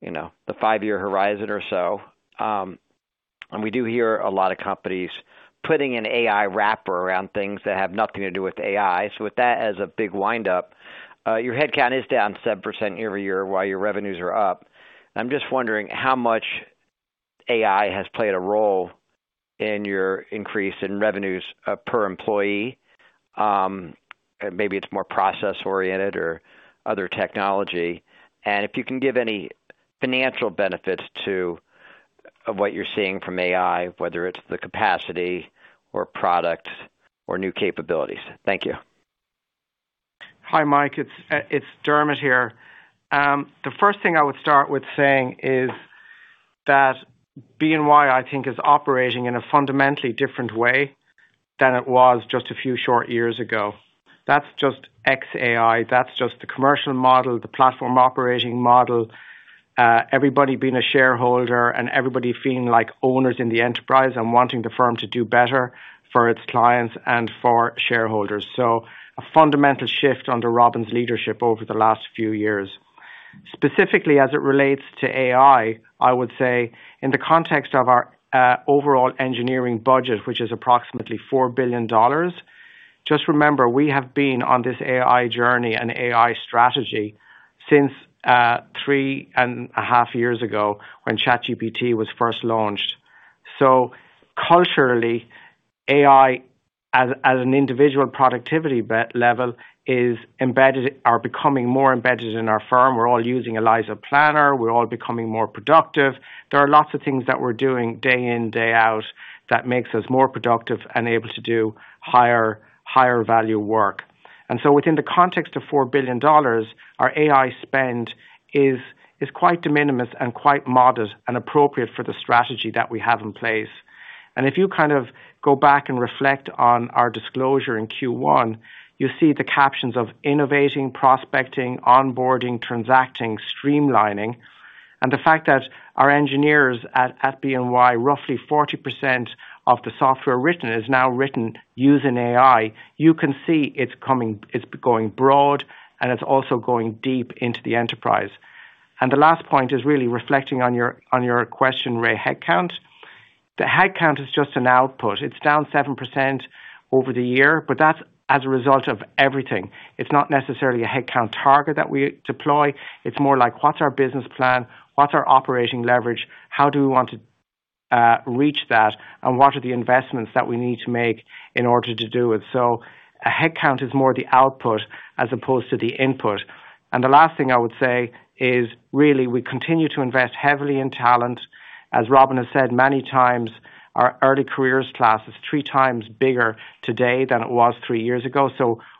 the five-year horizon or so. We do hear a lot of companies putting an AI wrapper around things that have nothing to do with AI. With that as a big wind-up, your head count is down 7% year-over-year while your revenues are up. I'm just wondering how much AI has played a role in your increase in revenues per employee. Maybe it's more process-oriented or other technology. If you can give any financial benefits to what you're seeing from AI, whether it's the capacity or product or new capabilities. Thank you. Hi, Mike. It's Dermot here. The first thing I would start with saying is that BNY is operating in a fundamentally different way than it was just a few short years ago. That's just X AI. That's just the commercial model, the platform operating model. Everybody being a shareholder and everybody feeling like owners in the enterprise and wanting the firm to do better for its clients and for shareholders. A fundamental shift under Robin's leadership over the last few years. Specifically, as it relates to AI, in the context of our overall engineering budget, which is approximately $4 billion. Just remember, we have been on this AI journey and AI strategy since three and a half years ago when ChatGPT was first launched. Culturally, AI as an individual productivity level is becoming more embedded in our firm. We're all using Eliza Planner. We're all becoming more productive. There are lots of things that we're doing day in, day out that makes us more productive and able to do higher value work. Within the context of $4 billion, our AI spend is quite de minimis and quite modest and appropriate for the strategy that we have in place. If you go back and reflect on our disclosure in Q1, you'll see the captions of innovating, prospecting, onboarding, transacting, streamlining, and the fact that our engineers at BNY, roughly 40% of the software written is now written using AI. You can see it's going broad, and it's also going deep into the enterprise. The last point is really reflecting on your question, Ray headcount. The headcount is just an output. It's down 7% over the year, but that's as a result of everything. It's not necessarily a headcount target that we deploy. It's more like what's our business plan? What's our operating leverage? How do we want to reach that, and what are the investments that we need to make in order to do it? A headcount is more the output as opposed to the input. The last thing is really we continue to invest heavily in talent. As Robin has said many times, our early careers class is three times bigger today than it was three years ago.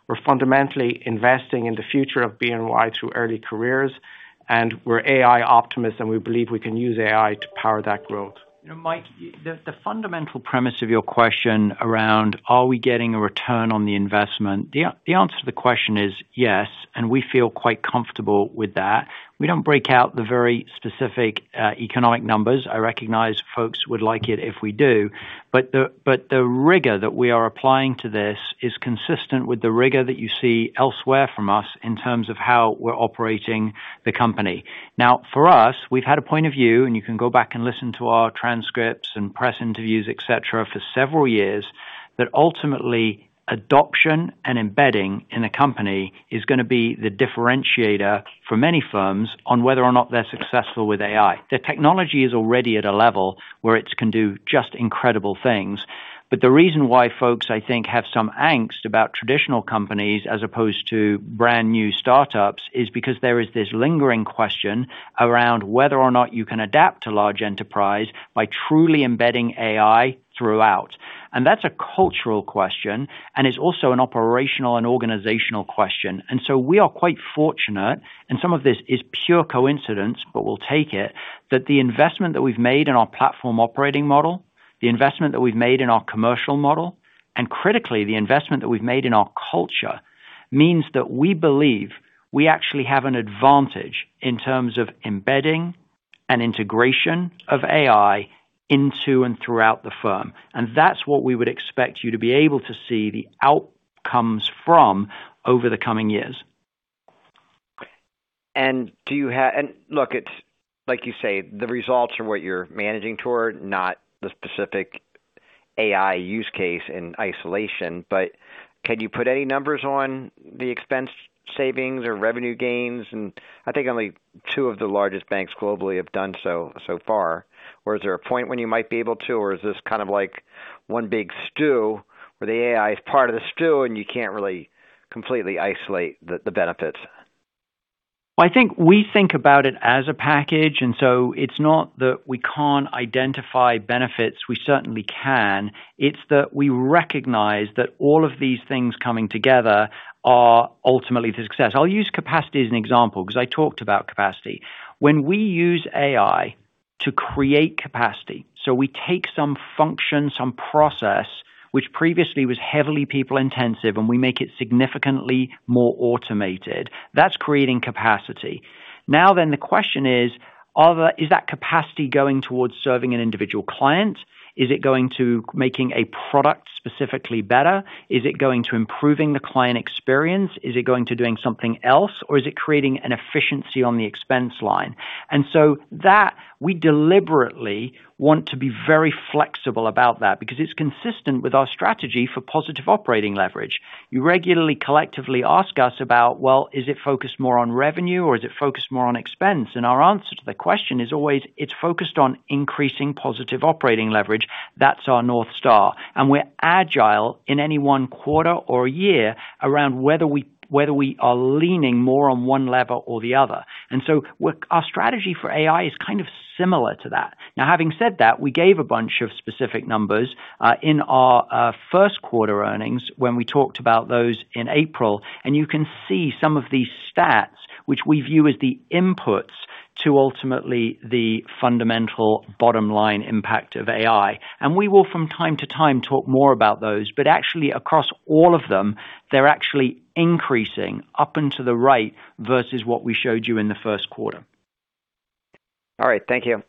We're fundamentally investing in the future of BNY through early careers, and we're AI optimists, and we believe we can use AI to power that growth. Mike, the fundamental premise of your question around are we getting a return on the investment? The answer to the question is yes, and we feel quite comfortable with that. We don't break out the very specific economic numbers. I recognize folks would like it if we do, the rigor that we are applying to this is consistent with the rigor that you see elsewhere from us in terms of how we're operating the company. For us, we've had a point of view, and you can go back and listen to our transcripts and press interviews, et cetera, for several years, that ultimately adoption and embedding in a company is going to be the differentiator for many firms on whether or not they're successful with AI. The technology is already at a level where it can do just incredible things. The reason why folks, I think, have some angst about traditional companies as opposed to brand-new startups is because there is this lingering question around whether or not you can adapt a large enterprise by truly embedding AI throughout. That's a cultural question. It's also an operational and organizational question. We are quite fortunate, and some of this is pure coincidence, but we'll take it, that the investment that we've made in our platform operating model, the investment that we've made in our commercial model, and critically, the investment that we've made in our culture, means that we believe we actually have an advantage in terms of embedding and integration of AI into and throughout the firm. That's what we would expect you to be able to see the outcomes from over the coming years. Look, it's like you say, the results are what you're managing toward, not the specific AI use case in isolation. Can you put any numbers on the expense savings or revenue gains? I think only two of the largest banks globally have done so far. Is there a point when you might be able to, or is this kind of like one big stew where the AI is part of the stew and you can't really completely isolate the benefits? I think we think about it as a package. It's not that we can't identify benefits. We certainly can. It's that we recognize that all of these things coming together are ultimately the success. I'll use capacity as an example because I talked about capacity. When we use AI to create capacity, so we take some function, some process, which previously was heavily people-intensive, and we make it significantly more automated. That's creating capacity. The question is that capacity going towards serving an individual client? Is it going to making a product specifically better? Is it going to improving the client experience? Is it going to doing something else, or is it creating an efficiency on the expense line? That we deliberately want to be very flexible about that because it's consistent with our strategy for positive operating leverage. You regularly, collectively ask us about, well, is it focused more on revenue, or is it focused more on expense? Our answer to the question is always, it's focused on increasing positive operating leverage. That's our North Star. We're agile in any one quarter or year around whether we are leaning more on one lever or the other. Our strategy for AI is kind of similar to that. Having said that, we gave a bunch of specific numbers in our first quarter earnings when we talked about those in April, and you can see some of these stats, which we view as the inputs to ultimately the fundamental bottom-line impact of AI. We will from time to time talk more about those. Actually across all of them, they're actually increasing up and to the right versus what we showed you in the first quarter. All right. Thank you.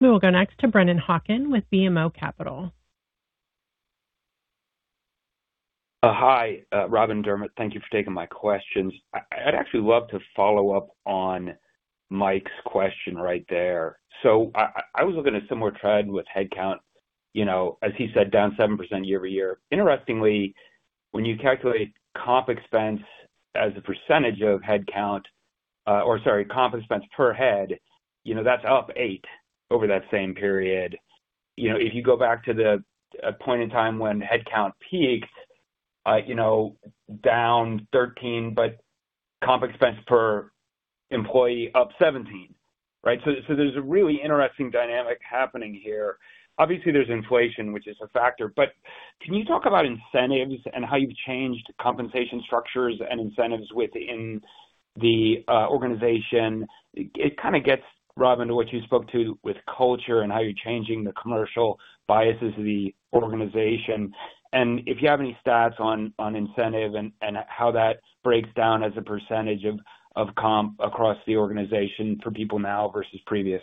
We will go next to Brennan Hawken with BMO Capital. Hi, Robin, Dermot. Thank you for taking my questions. I'd actually love to follow up on Mike's question right there. I was looking at similar trend with headcount, as he said, down 7% year-over-year. Interestingly, when you calculate comp expense as a percent of headcount, or sorry, comp expense per head, that's up eight over that same period. If you go back to the point in time when headcount peaked, down 13, but comp expense per employee up 17. Right? There's a really interesting dynamic happening here. Obviously, there's inflation, which is a factor, but can you talk about incentives and how you've changed compensation structures and incentives within the organization? It kind of gets, Robin, to what you spoke to with culture and how you're changing the commercial biases of the organization. If you have any stats on incentive and how that breaks down as a % of comp across the organization for people now versus previous.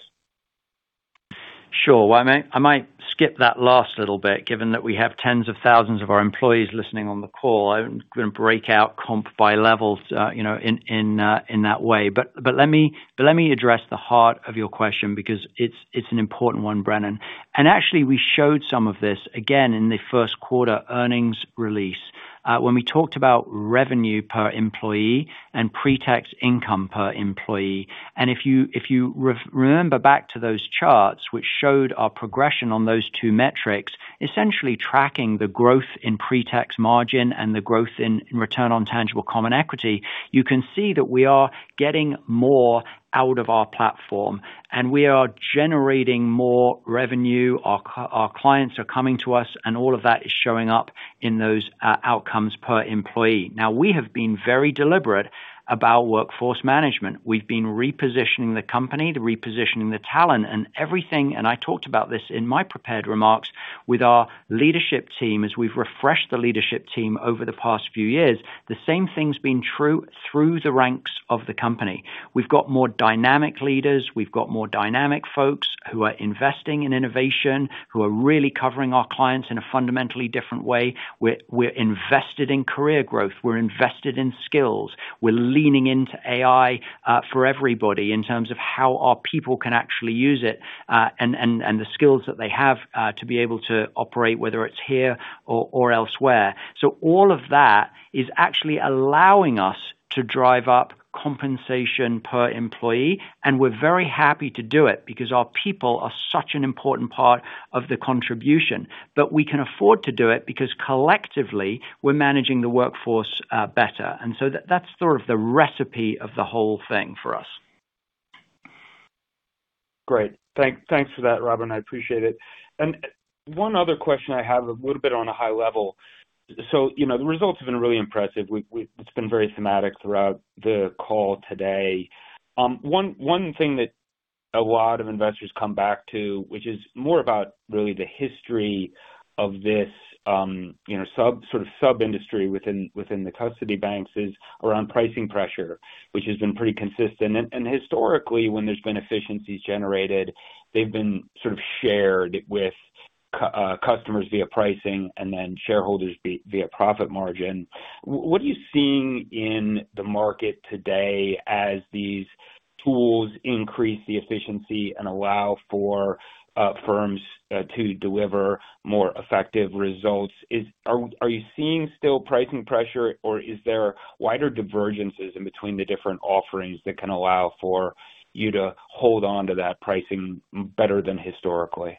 Sure. Well, I might skip that last little bit, given that we have tens of thousands of our employees listening on the call. I'm going to break out comp by levels in that way. Let me address the heart of your question because it's an important one, Brennan. Actually, we showed some of this again in the first quarter earnings release, when we talked about revenue per employee and pre-tax income per employee. If you remember back to those charts, which showed our progression on those two metrics, essentially tracking the growth in pre-tax margin and the growth in return on tangible common equity, you can see that we are getting more out of our platform, and we are generating more revenue. Our clients are coming to us, and all of that is showing up in those outcomes per employee. Now, we have been very deliberate about workforce management. We've been repositioning the company, repositioning the talent, and everything, and I talked about this in my prepared remarks with our leadership team, as we've refreshed the leadership team over the past few years. The same thing's been true through the ranks of the company. We've got more dynamic leaders. We've got more dynamic folks who are investing in innovation, who are really covering our clients in a fundamentally different way. We're invested in career growth. We're invested in skills. We're leaning into AI for everybody in terms of how our people can actually use it, and the skills that they have to be able to operate, whether it's here or elsewhere. All of that is actually allowing us to drive up compensation per employee, and we're very happy to do it because our people are such an important part of the contribution. We can afford to do it because collectively, we're managing the workforce better. That's sort of the recipe of the whole thing for us. Great. Thanks for that, Robin. I appreciate it. One other question I have a little bit on a high level. The results have been really impressive. It's been very thematic throughout the call today. One thing that a lot of investors come back to, which is more about really the history of this sub-industry within the custody banks is around pricing pressure, which has been pretty consistent. Historically, when there's been efficiencies generated, they've been sort of shared with customers via pricing and then shareholders via profit margin. What are you seeing in the market today as these tools increase the efficiency and allow for firms to deliver more effective results? Are you seeing still pricing pressure, or is there wider divergences in between the different offerings that can allow for you to hold onto that pricing better than historically?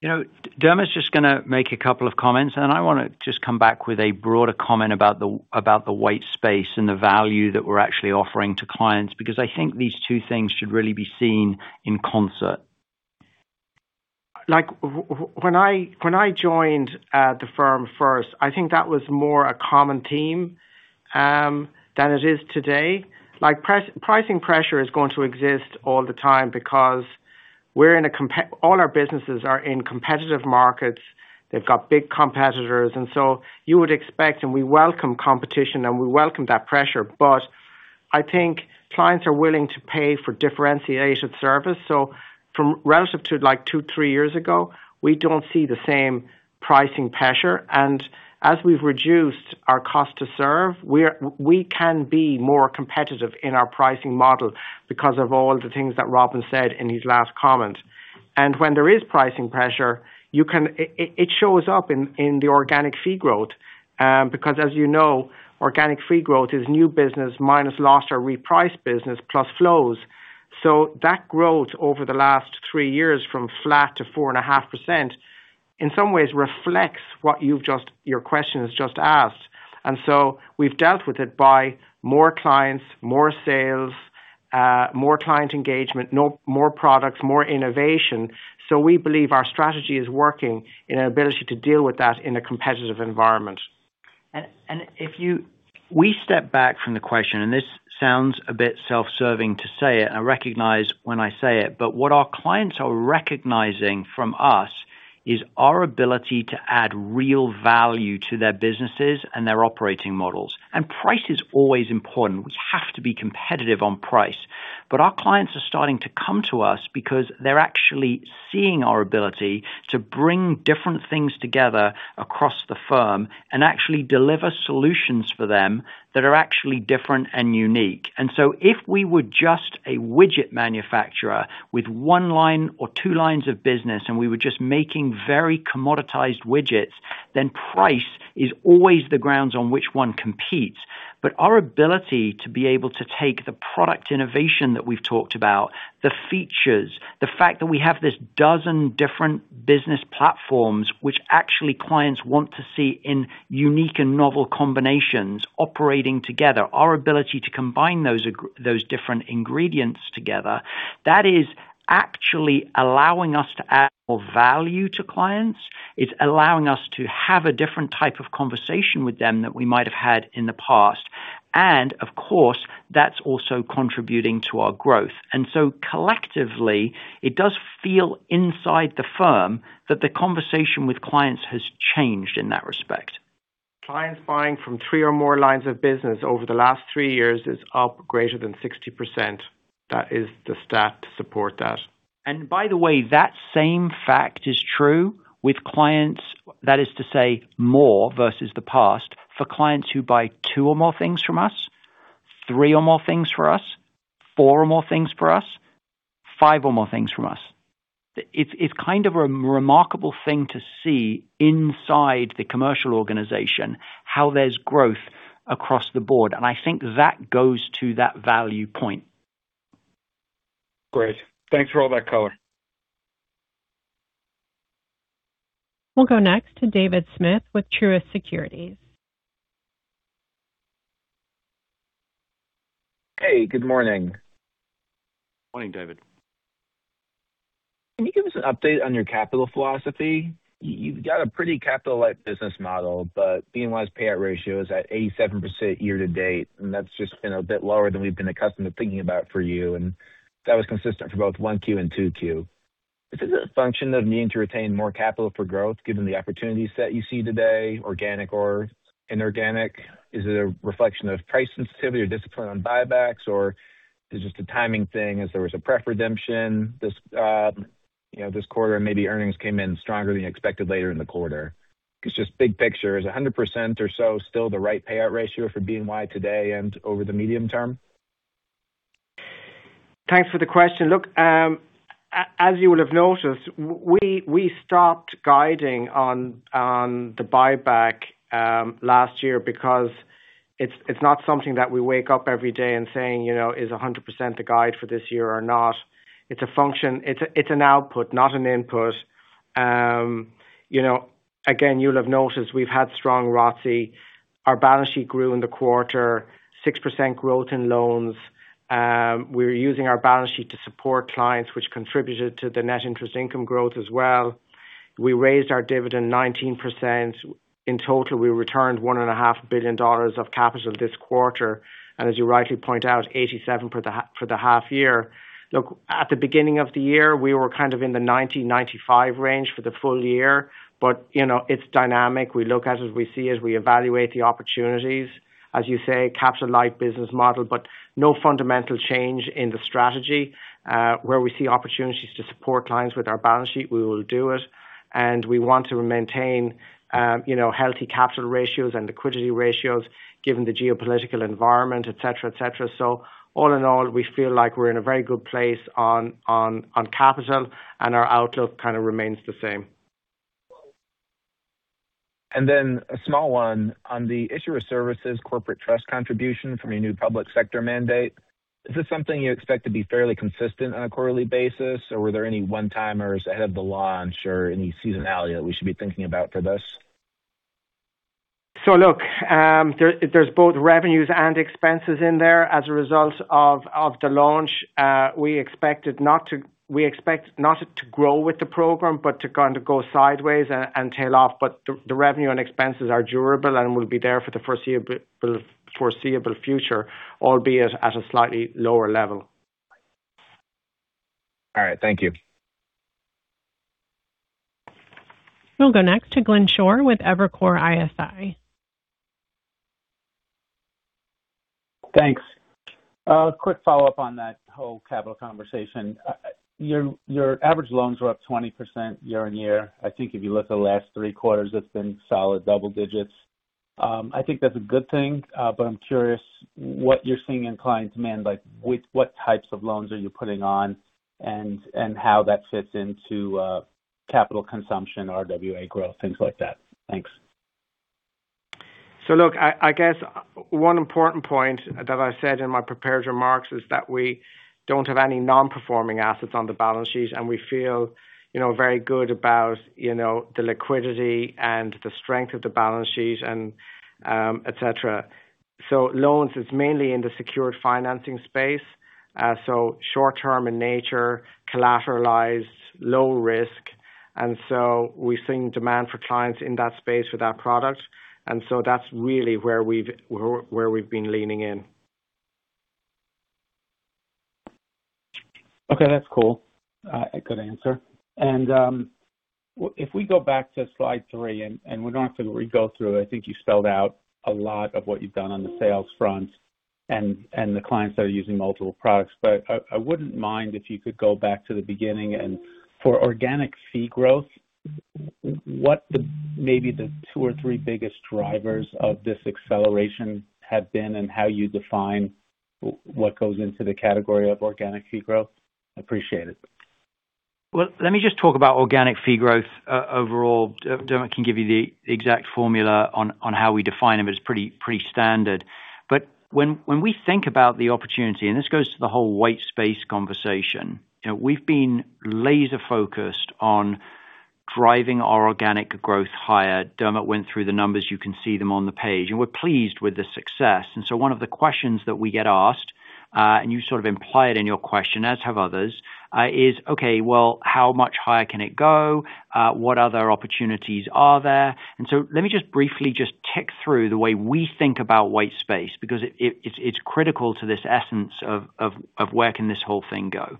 Dermot's just going to make a couple of comments, I want to just come back with a broader comment about the white space and the value that we're actually offering to clients, because I think these two things should really be seen in concert. When I joined the firm first, I think that was more a common theme than it is today. Pricing pressure is going to exist all the time because all our businesses are in competitive markets. They've got big competitors. You would expect, and we welcome competition, and we welcome that pressure. I think clients are willing to pay for differentiated service. From relative to two, three years ago, we don't see the same pricing pressure. As we've reduced our cost to serve, we can be more competitive in our pricing model because of all the things that Robin said in his last comment. When there is pricing pressure, it shows up in the organic fee growth. Because as you know, organic fee growth is new business minus lost or repriced business plus flows. That growth over the last three years from flat to 4.5% in some ways reflects what your question has just asked. We've dealt with it by more clients, more sales, more client engagement, more products, more innovation. We believe our strategy is working in our ability to deal with that in a competitive environment. If we step back from the question, this sounds a bit self-serving to say it, and I recognize when I say it, what our clients are recognizing from us is our ability to add real value to their businesses and their operating models. Price is always important. We have to be competitive on price. Our clients are starting to come to us because they're actually seeing our ability to bring different things together across the firm and actually deliver solutions for them that are actually different and unique. If we were just a widget manufacturer with one line or two lines of business, and we were just making very commoditized widgets, then price is always the grounds on which one competes. Our ability to be able to take the product innovation that we've talked about, the features, the fact that we have this dozen different business platforms, which actually clients want to see in unique and novel combinations operating together. Our ability to combine those different ingredients together, that is actually allowing us to add more value to clients. It's allowing us to have a different type of conversation with them than we might have had in the past. Of course, that's also contributing to our growth. Collectively, it does feel inside the firm that the conversation with clients has changed in that respect. Clients buying from three or more lines of business over the last three years is up greater than 60%. That is the stat to support that. By the way, that same fact is true with clients. That is to say, more versus the past for clients who buy two or more things from us, three or more things from us, four or more things from us, five or more things from us. It's kind of a remarkable thing to see inside the commercial organization how there's growth across the board, I think that goes to that value point. Great. Thanks for all that color. We'll go next to David Smith with Truist Securities. Hey, good morning. Morning, David. Can you give us an update on your capital philosophy? You've got a pretty capital-light business model, but BNY's payout ratio is at 87% year to date, that's just been a bit lower than we've been accustomed to thinking about for you. That was consistent for both one Q and two Q. Is this a function of needing to retain more capital for growth, given the opportunities that you see today, organic or inorganic? Is it a reflection of price sensitivity or discipline on buybacks? Is it just a timing thing as there was a pref redemption this quarter, and maybe earnings came in stronger than you expected later in the quarter? Just big picture, is 100% or so still the right payout ratio for BNY today and over the medium term? Thanks for the question. Look, as you will have noticed, we stopped guiding on the buyback last year because it's not something that we wake up every day and saying, "Is 100% the guide for this year or not?" It's an output, not an input. Again, you'll have noticed we've had strong ROTCE. Our balance sheet grew in the quarter, 6% growth in loans. We're using our balance sheet to support clients, which contributed to the net interest income growth as well. We raised our dividend 19%. In total, we returned $1.5 billion of capital this quarter. As you rightly point out, 87 for the half year. Look, at the beginning of the year, we were kind of in the 90, 95 range for the full year. It's dynamic. We look at it, we see it, we evaluate the opportunities, as you say, capital light business model. No fundamental change in the strategy. Where we see opportunities to support clients with our balance sheet, we will do it. We want to maintain healthy capital ratios and liquidity ratios given the geopolitical environment, et cetera. All in all, we feel like we're in a very good place on capital, and our outlook kind of remains the same. Then a small one. On the issuer services corporate trust contribution from your new public sector mandate, is this something you expect to be fairly consistent on a quarterly basis, or were there any one-timers ahead of the launch or any seasonality that we should be thinking about for this? Look, there's both revenues and expenses in there as a result of the launch. We expect not to grow with the program, but to kind of go sideways and tail off. The revenue and expenses are durable and will be there for the foreseeable future, albeit at a slightly lower level. All right. Thank you. We'll go next to Glenn Schorr with Evercore ISI. Thanks. A quick follow-up on that whole capital conversation. Your average loans were up 20% year-on-year. I think if you look at the last three quarters, it's been solid double digits. I think that's a good thing. I'm curious what you're seeing in clients, man, like with what types of loans are you putting on and how that fits into capital consumption, RWA growth, things like that. Thanks. Look, I guess one important point that I said in my prepared remarks is that we don't have any non-performing assets on the balance sheet, and we feel very good about the liquidity and the strength of the balance sheet and et cetera. Loans is mainly in the secured financing space. Short-term in nature, collateralized, low risk. We're seeing demand for clients in that space for that product. That's really where we've been leaning in. Okay, that's cool. Good answer. If we go back to slide three, we don't have to re-go through it. I think you spelled out a lot of what you've done on the sales front and the clients that are using multiple products. I wouldn't mind if you could go back to the beginning, and for organic fee growth, what maybe the two or three biggest drivers of this acceleration have been, and how you define what goes into the category of organic fee growth? Appreciate it. Well, let me just talk about organic fee growth, overall. Dermot can give you the exact formula on how we define them. It's pretty standard. When we think about the opportunity, and this goes to the whole white space conversation, we've been laser-focused on driving our organic growth higher. Dermot went through the numbers, you can see them on the page. We're pleased with the success. One of the questions that we get asked, and you sort of implied in your question, as have others, is, okay, well, how much higher can it go? What other opportunities are there? Let me just briefly just tick through the way we think about white space, because it's critical to this essence of where can this whole thing go.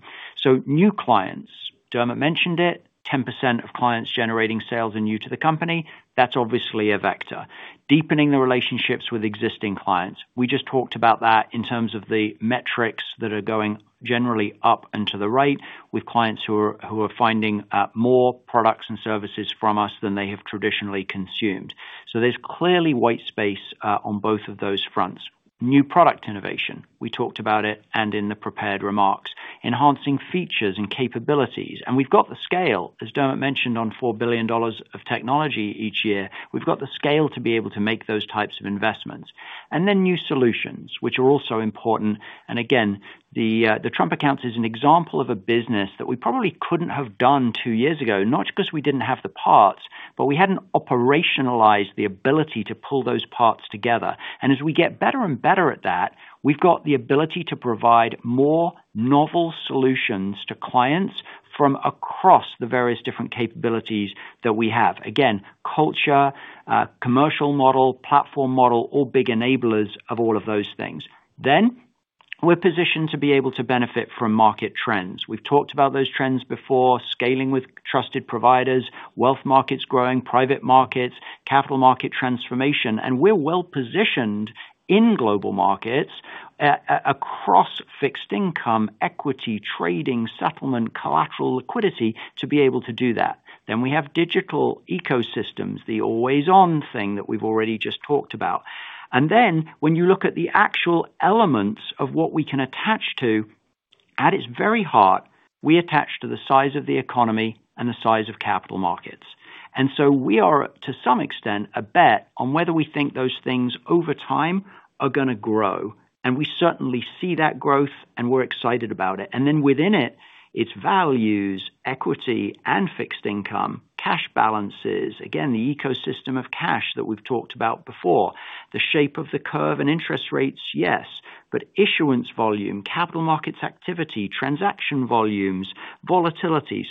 New clients, Dermot mentioned it, 10% of clients generating sales are new to the company. That's obviously a vector. Deepening the relationships with existing clients. We just talked about that in terms of the metrics that are going generally up and to the right with clients who are finding more products and services from us than they have traditionally consumed. There's clearly white space on both of those fronts. New product innovation. We talked about it and in the prepared remarks. Enhancing features and capabilities. We've got the scale, as Dermot mentioned, on $4 billion of technology each year. We've got the scale to be able to make those types of investments. New solutions, which are also important. Again, the Trump Accounts is an example of a business that we probably couldn't have done two years ago, not because we didn't have the parts, but we hadn't operationalized the ability to pull those parts together. As we get better and better at that, we've got the ability to provide more novel solutions to clients from across the various different capabilities that we have. Culture, commercial model, platform model, all big enablers of all of those things. We're positioned to be able to benefit from market trends. We've talked about those trends before, scaling with trusted providers, wealth markets growing, private markets, capital market transformation. We're well-positioned in global markets, across fixed income, equity, trading, settlement, collateral liquidity, to be able to do that. We have digital ecosystems, the always-on thing that we've already just talked about. When you look at the actual elements of what we can attach to, at its very heart, we attach to the size of the economy and the size of capital markets. We are, to some extent, a bet on whether we think those things over time are going to grow. We certainly see that growth, we're excited about it. Within it's values, equity and fixed income, cash balances, again, the ecosystem of cash that we've talked about before. The shape of the curve and interest rates, yes. Issuance volume, capital markets activity, transaction volumes, volatility.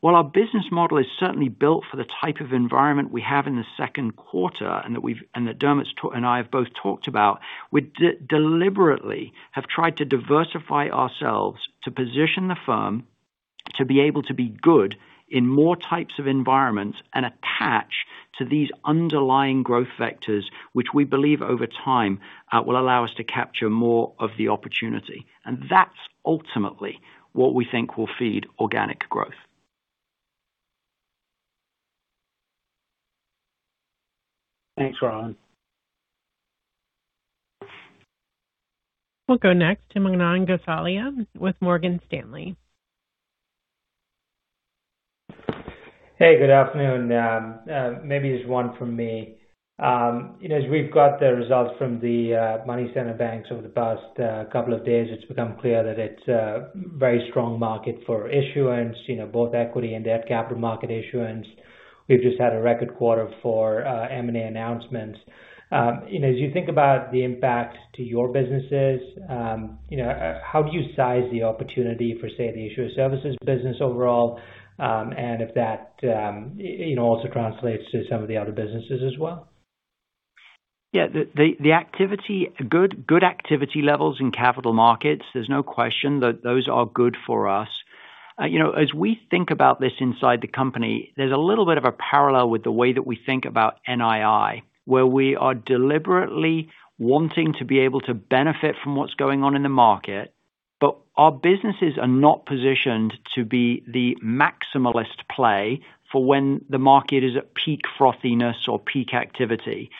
While our business model is certainly built for the type of environment we have in the second quarter and that Dermot and I have both talked about, we deliberately have tried to diversify ourselves to position the firm to be able to be good in more types of environments and attach to these underlying growth vectors, which we believe over time, will allow us to capture more of the opportunity. That's ultimately what we think will feed organic growth. Thanks, Rob. We'll go next to Manan Gosalia with Morgan Stanley. Hey, good afternoon. Maybe there's one from me. As we've got the results from the money center banks over the past couple of days, it's become clear that it's a very strong market for issuance, both equity and debt capital market issuance. We've just had a record quarter for M&A announcements. As you think about the impact to your businesses, how do you size the opportunity for, say, the issuer services business overall, and if that also translates to some of the other businesses as well? Yeah. Good activity levels in capital markets. There's no question that those are good for us. As we think about this inside the company, there's a little bit of a parallel with the way that we think about NII, where we are deliberately wanting to be able to benefit from what's going on in the market. Our businesses are not positioned to be the maximalist play for when the market is at peak frothiness or peak activity.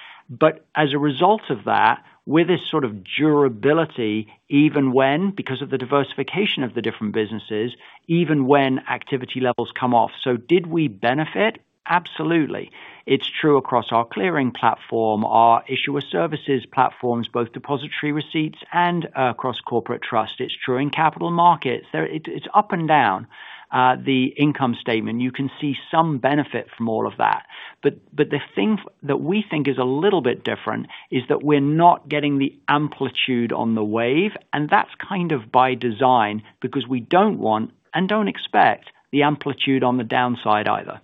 As a result of that, with this sort of durability, even when, because of the diversification of the different businesses, even when activity levels come off. Did we benefit? Absolutely. It's true across our clearing platform, our issuer services platforms, both depository receipts and across corporate trust. It's true in capital markets. It's up and down. The income statement, you can see some benefit from all of that. The thing that we think is a little bit different is that we're not getting the amplitude on the wave, and that's kind of by design because we don't want, and don't expect, the amplitude on the downside either.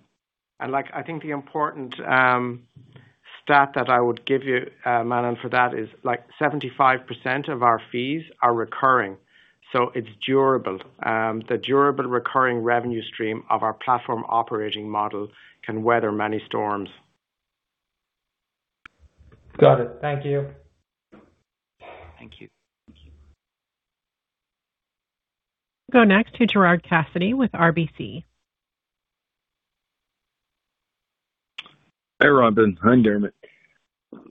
I think the Stat that I would give you, Manan, for that is like 75% of our fees are recurring. It's durable. The durable recurring revenue stream of our platform operating model can weather many storms. Got it. Thank you. Next to Gerard Cassidy with RBC. Hi, Robin. Hi, Dermot.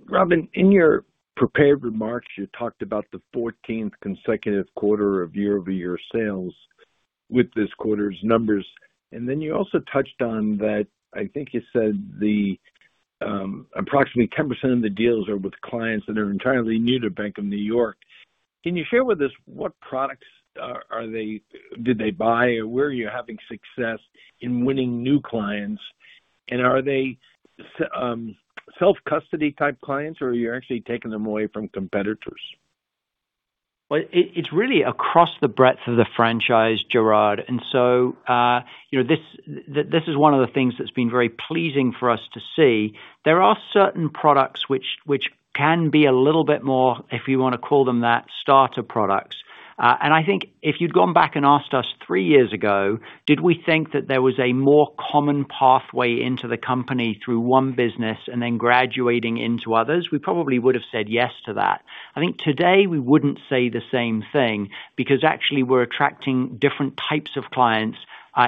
Robin, in your prepared remarks, you talked about the 14th consecutive quarter of year-over-year sales with this quarter's numbers. You also touched on that, approximately 10% of the deals are with clients that are entirely new to Bank of New York. Can you share with us what products did they buy? Where are you having success in winning new clients? Are they self-custody type clients, or you're actually taking them away from competitors? Well, it's really across the breadth of the franchise, Gerard. This is one of the things that's been very pleasing for us to see. There are certain products which can be a little bit more, if you want to call them that, starter products. I think if you'd gone back and asked us three years ago, did we think that there was a more common pathway into the company through one business graduating into others, we probably would've said yes to that. I think today we wouldn't say the same thing because actually we're attracting different types of clients,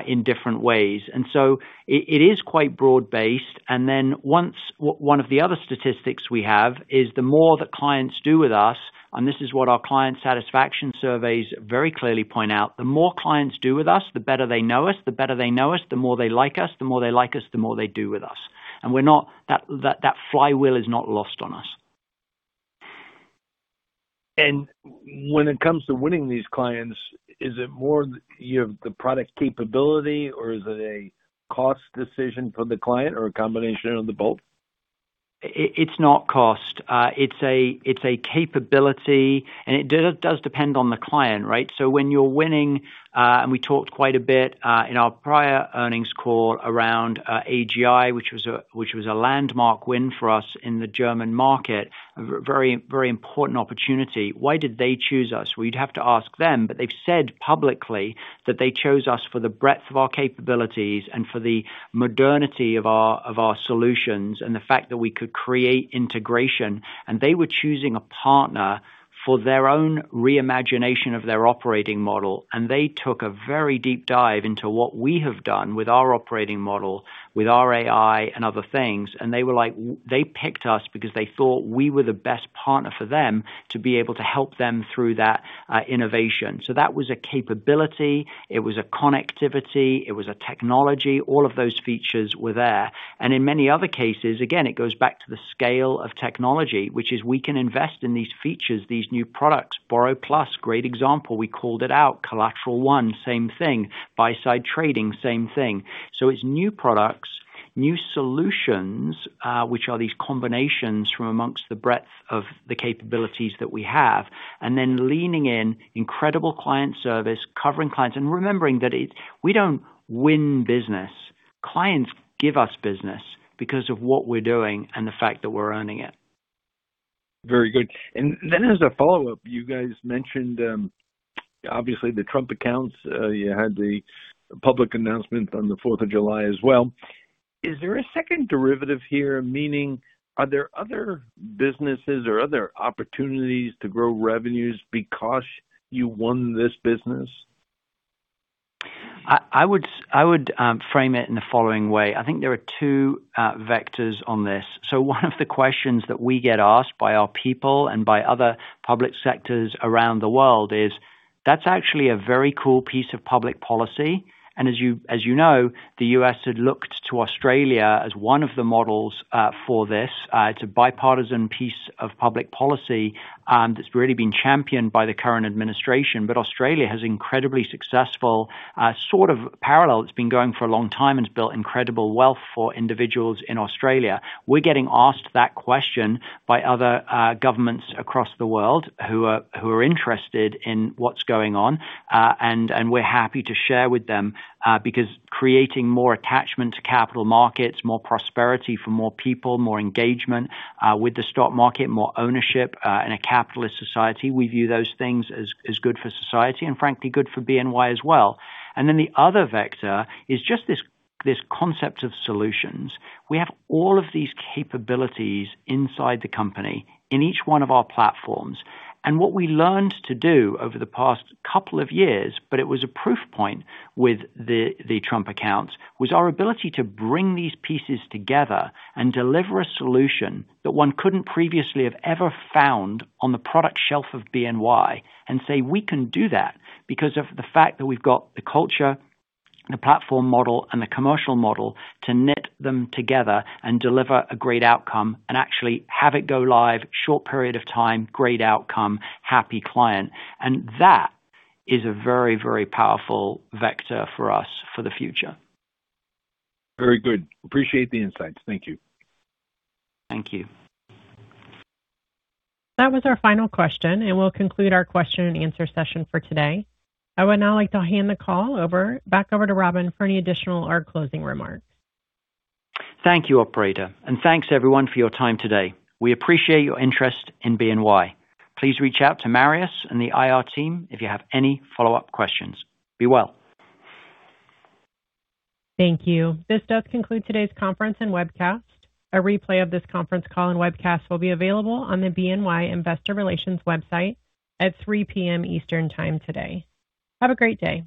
in different ways. So it is quite broad-based. One of the other statistics we have is the more that clients do with us, and this is what our client satisfaction surveys very clearly point out, the more clients do with us, the better they know us. The better they know us, the more they like us. The more they like us, the more they do with us. That flywheel is not lost on us. When it comes to winning these clients, is it more you have the product capability or is it a cost decision for the client or a combination of the both? It's not cost. It's a capability, it does depend on the client, right? When you're winning, we talked quite a bit, in our prior earnings call around AGI, which was a landmark win for us in the German market. A very important opportunity. Why did they choose us? We'd have to ask them, but they've said publicly that they chose us for the breadth of our capabilities and for the modernity of our solutions and the fact that we could create integration. They were choosing a partner for their own re-imagination of their operating model. They took a very deep dive into what we have done with our operating model, with our AI and other things. They were like, they picked us because they thought we were the best partner for them to be able to help them through that innovation. That was a capability. It was a connectivity. It was a technology. All of those features were there. In many other cases, again, it goes back to the scale of technology, which is we can invest in these features, these new products. Borrow+, great example. We called it out. CollateralOne, same thing. Buy-side trading, same thing. It's new products, new solutions, which are these combinations from amongst the breadth of the capabilities that we have, then leaning in incredible client service, covering clients, remembering that we don't win business. Clients give us business because of what we're doing and the fact that we're earning it. Very good. Then as a follow-up, you guys mentioned, obviously the Trump Accounts. You had the public announcement on the Fourth of July as well. Is there a second derivative here? Meaning, are there other businesses or other opportunities to grow revenues because you won this business? I would frame it in the following way. I think there are two vectors on this. One of the questions that we get asked by our people and by other public sectors around the world is, that's actually a very cool piece of public policy. As you know, the U.S. had looked to Australia as one of the models for this. It's a bipartisan piece of public policy that's really been championed by the current administration. Australia has incredibly successful, sort of parallel. It's been going for a long time and it's built incredible wealth for individuals in Australia. We're getting asked that question by other governments across the world who are interested in what's going on. We're happy to share with them, because creating more attachment to capital markets, more prosperity for more people, more engagement, with the stock market, more ownership, in a capitalist society, we view those things as good for society and frankly good for BNY as well. The other vector is just this concept of solutions. We have all of these capabilities inside the company in each one of our platforms. What we learned to do over the past couple of years, but it was a proof point with the Trump Accounts, was our ability to bring these pieces together and deliver a solution that one couldn't previously have ever found on the product shelf of BNY and say, we can do that because of the fact that we've got the culture, the platform model, and the commercial model to knit them together and deliver a great outcome and actually have it go live short period of time, great outcome, happy client. That is a very, very powerful vector for us for the future. Very good. Appreciate the insights. Thank you. Thank you. That was our final question, and we'll conclude our question-and-answer session for today. I would now like to hand the call back over to Robin for any additional or closing remarks. Thank you, operator, and thanks everyone for your time today. We appreciate your interest in BNY. Please reach out to Marius and the IR team if you have any follow-up questions. Be well. Thank you. This does conclude today's conference and webcast. A replay of this conference call and webcast will be available on the BNY investor relations website at 3:00 P.M. Eastern Time today. Have a great day.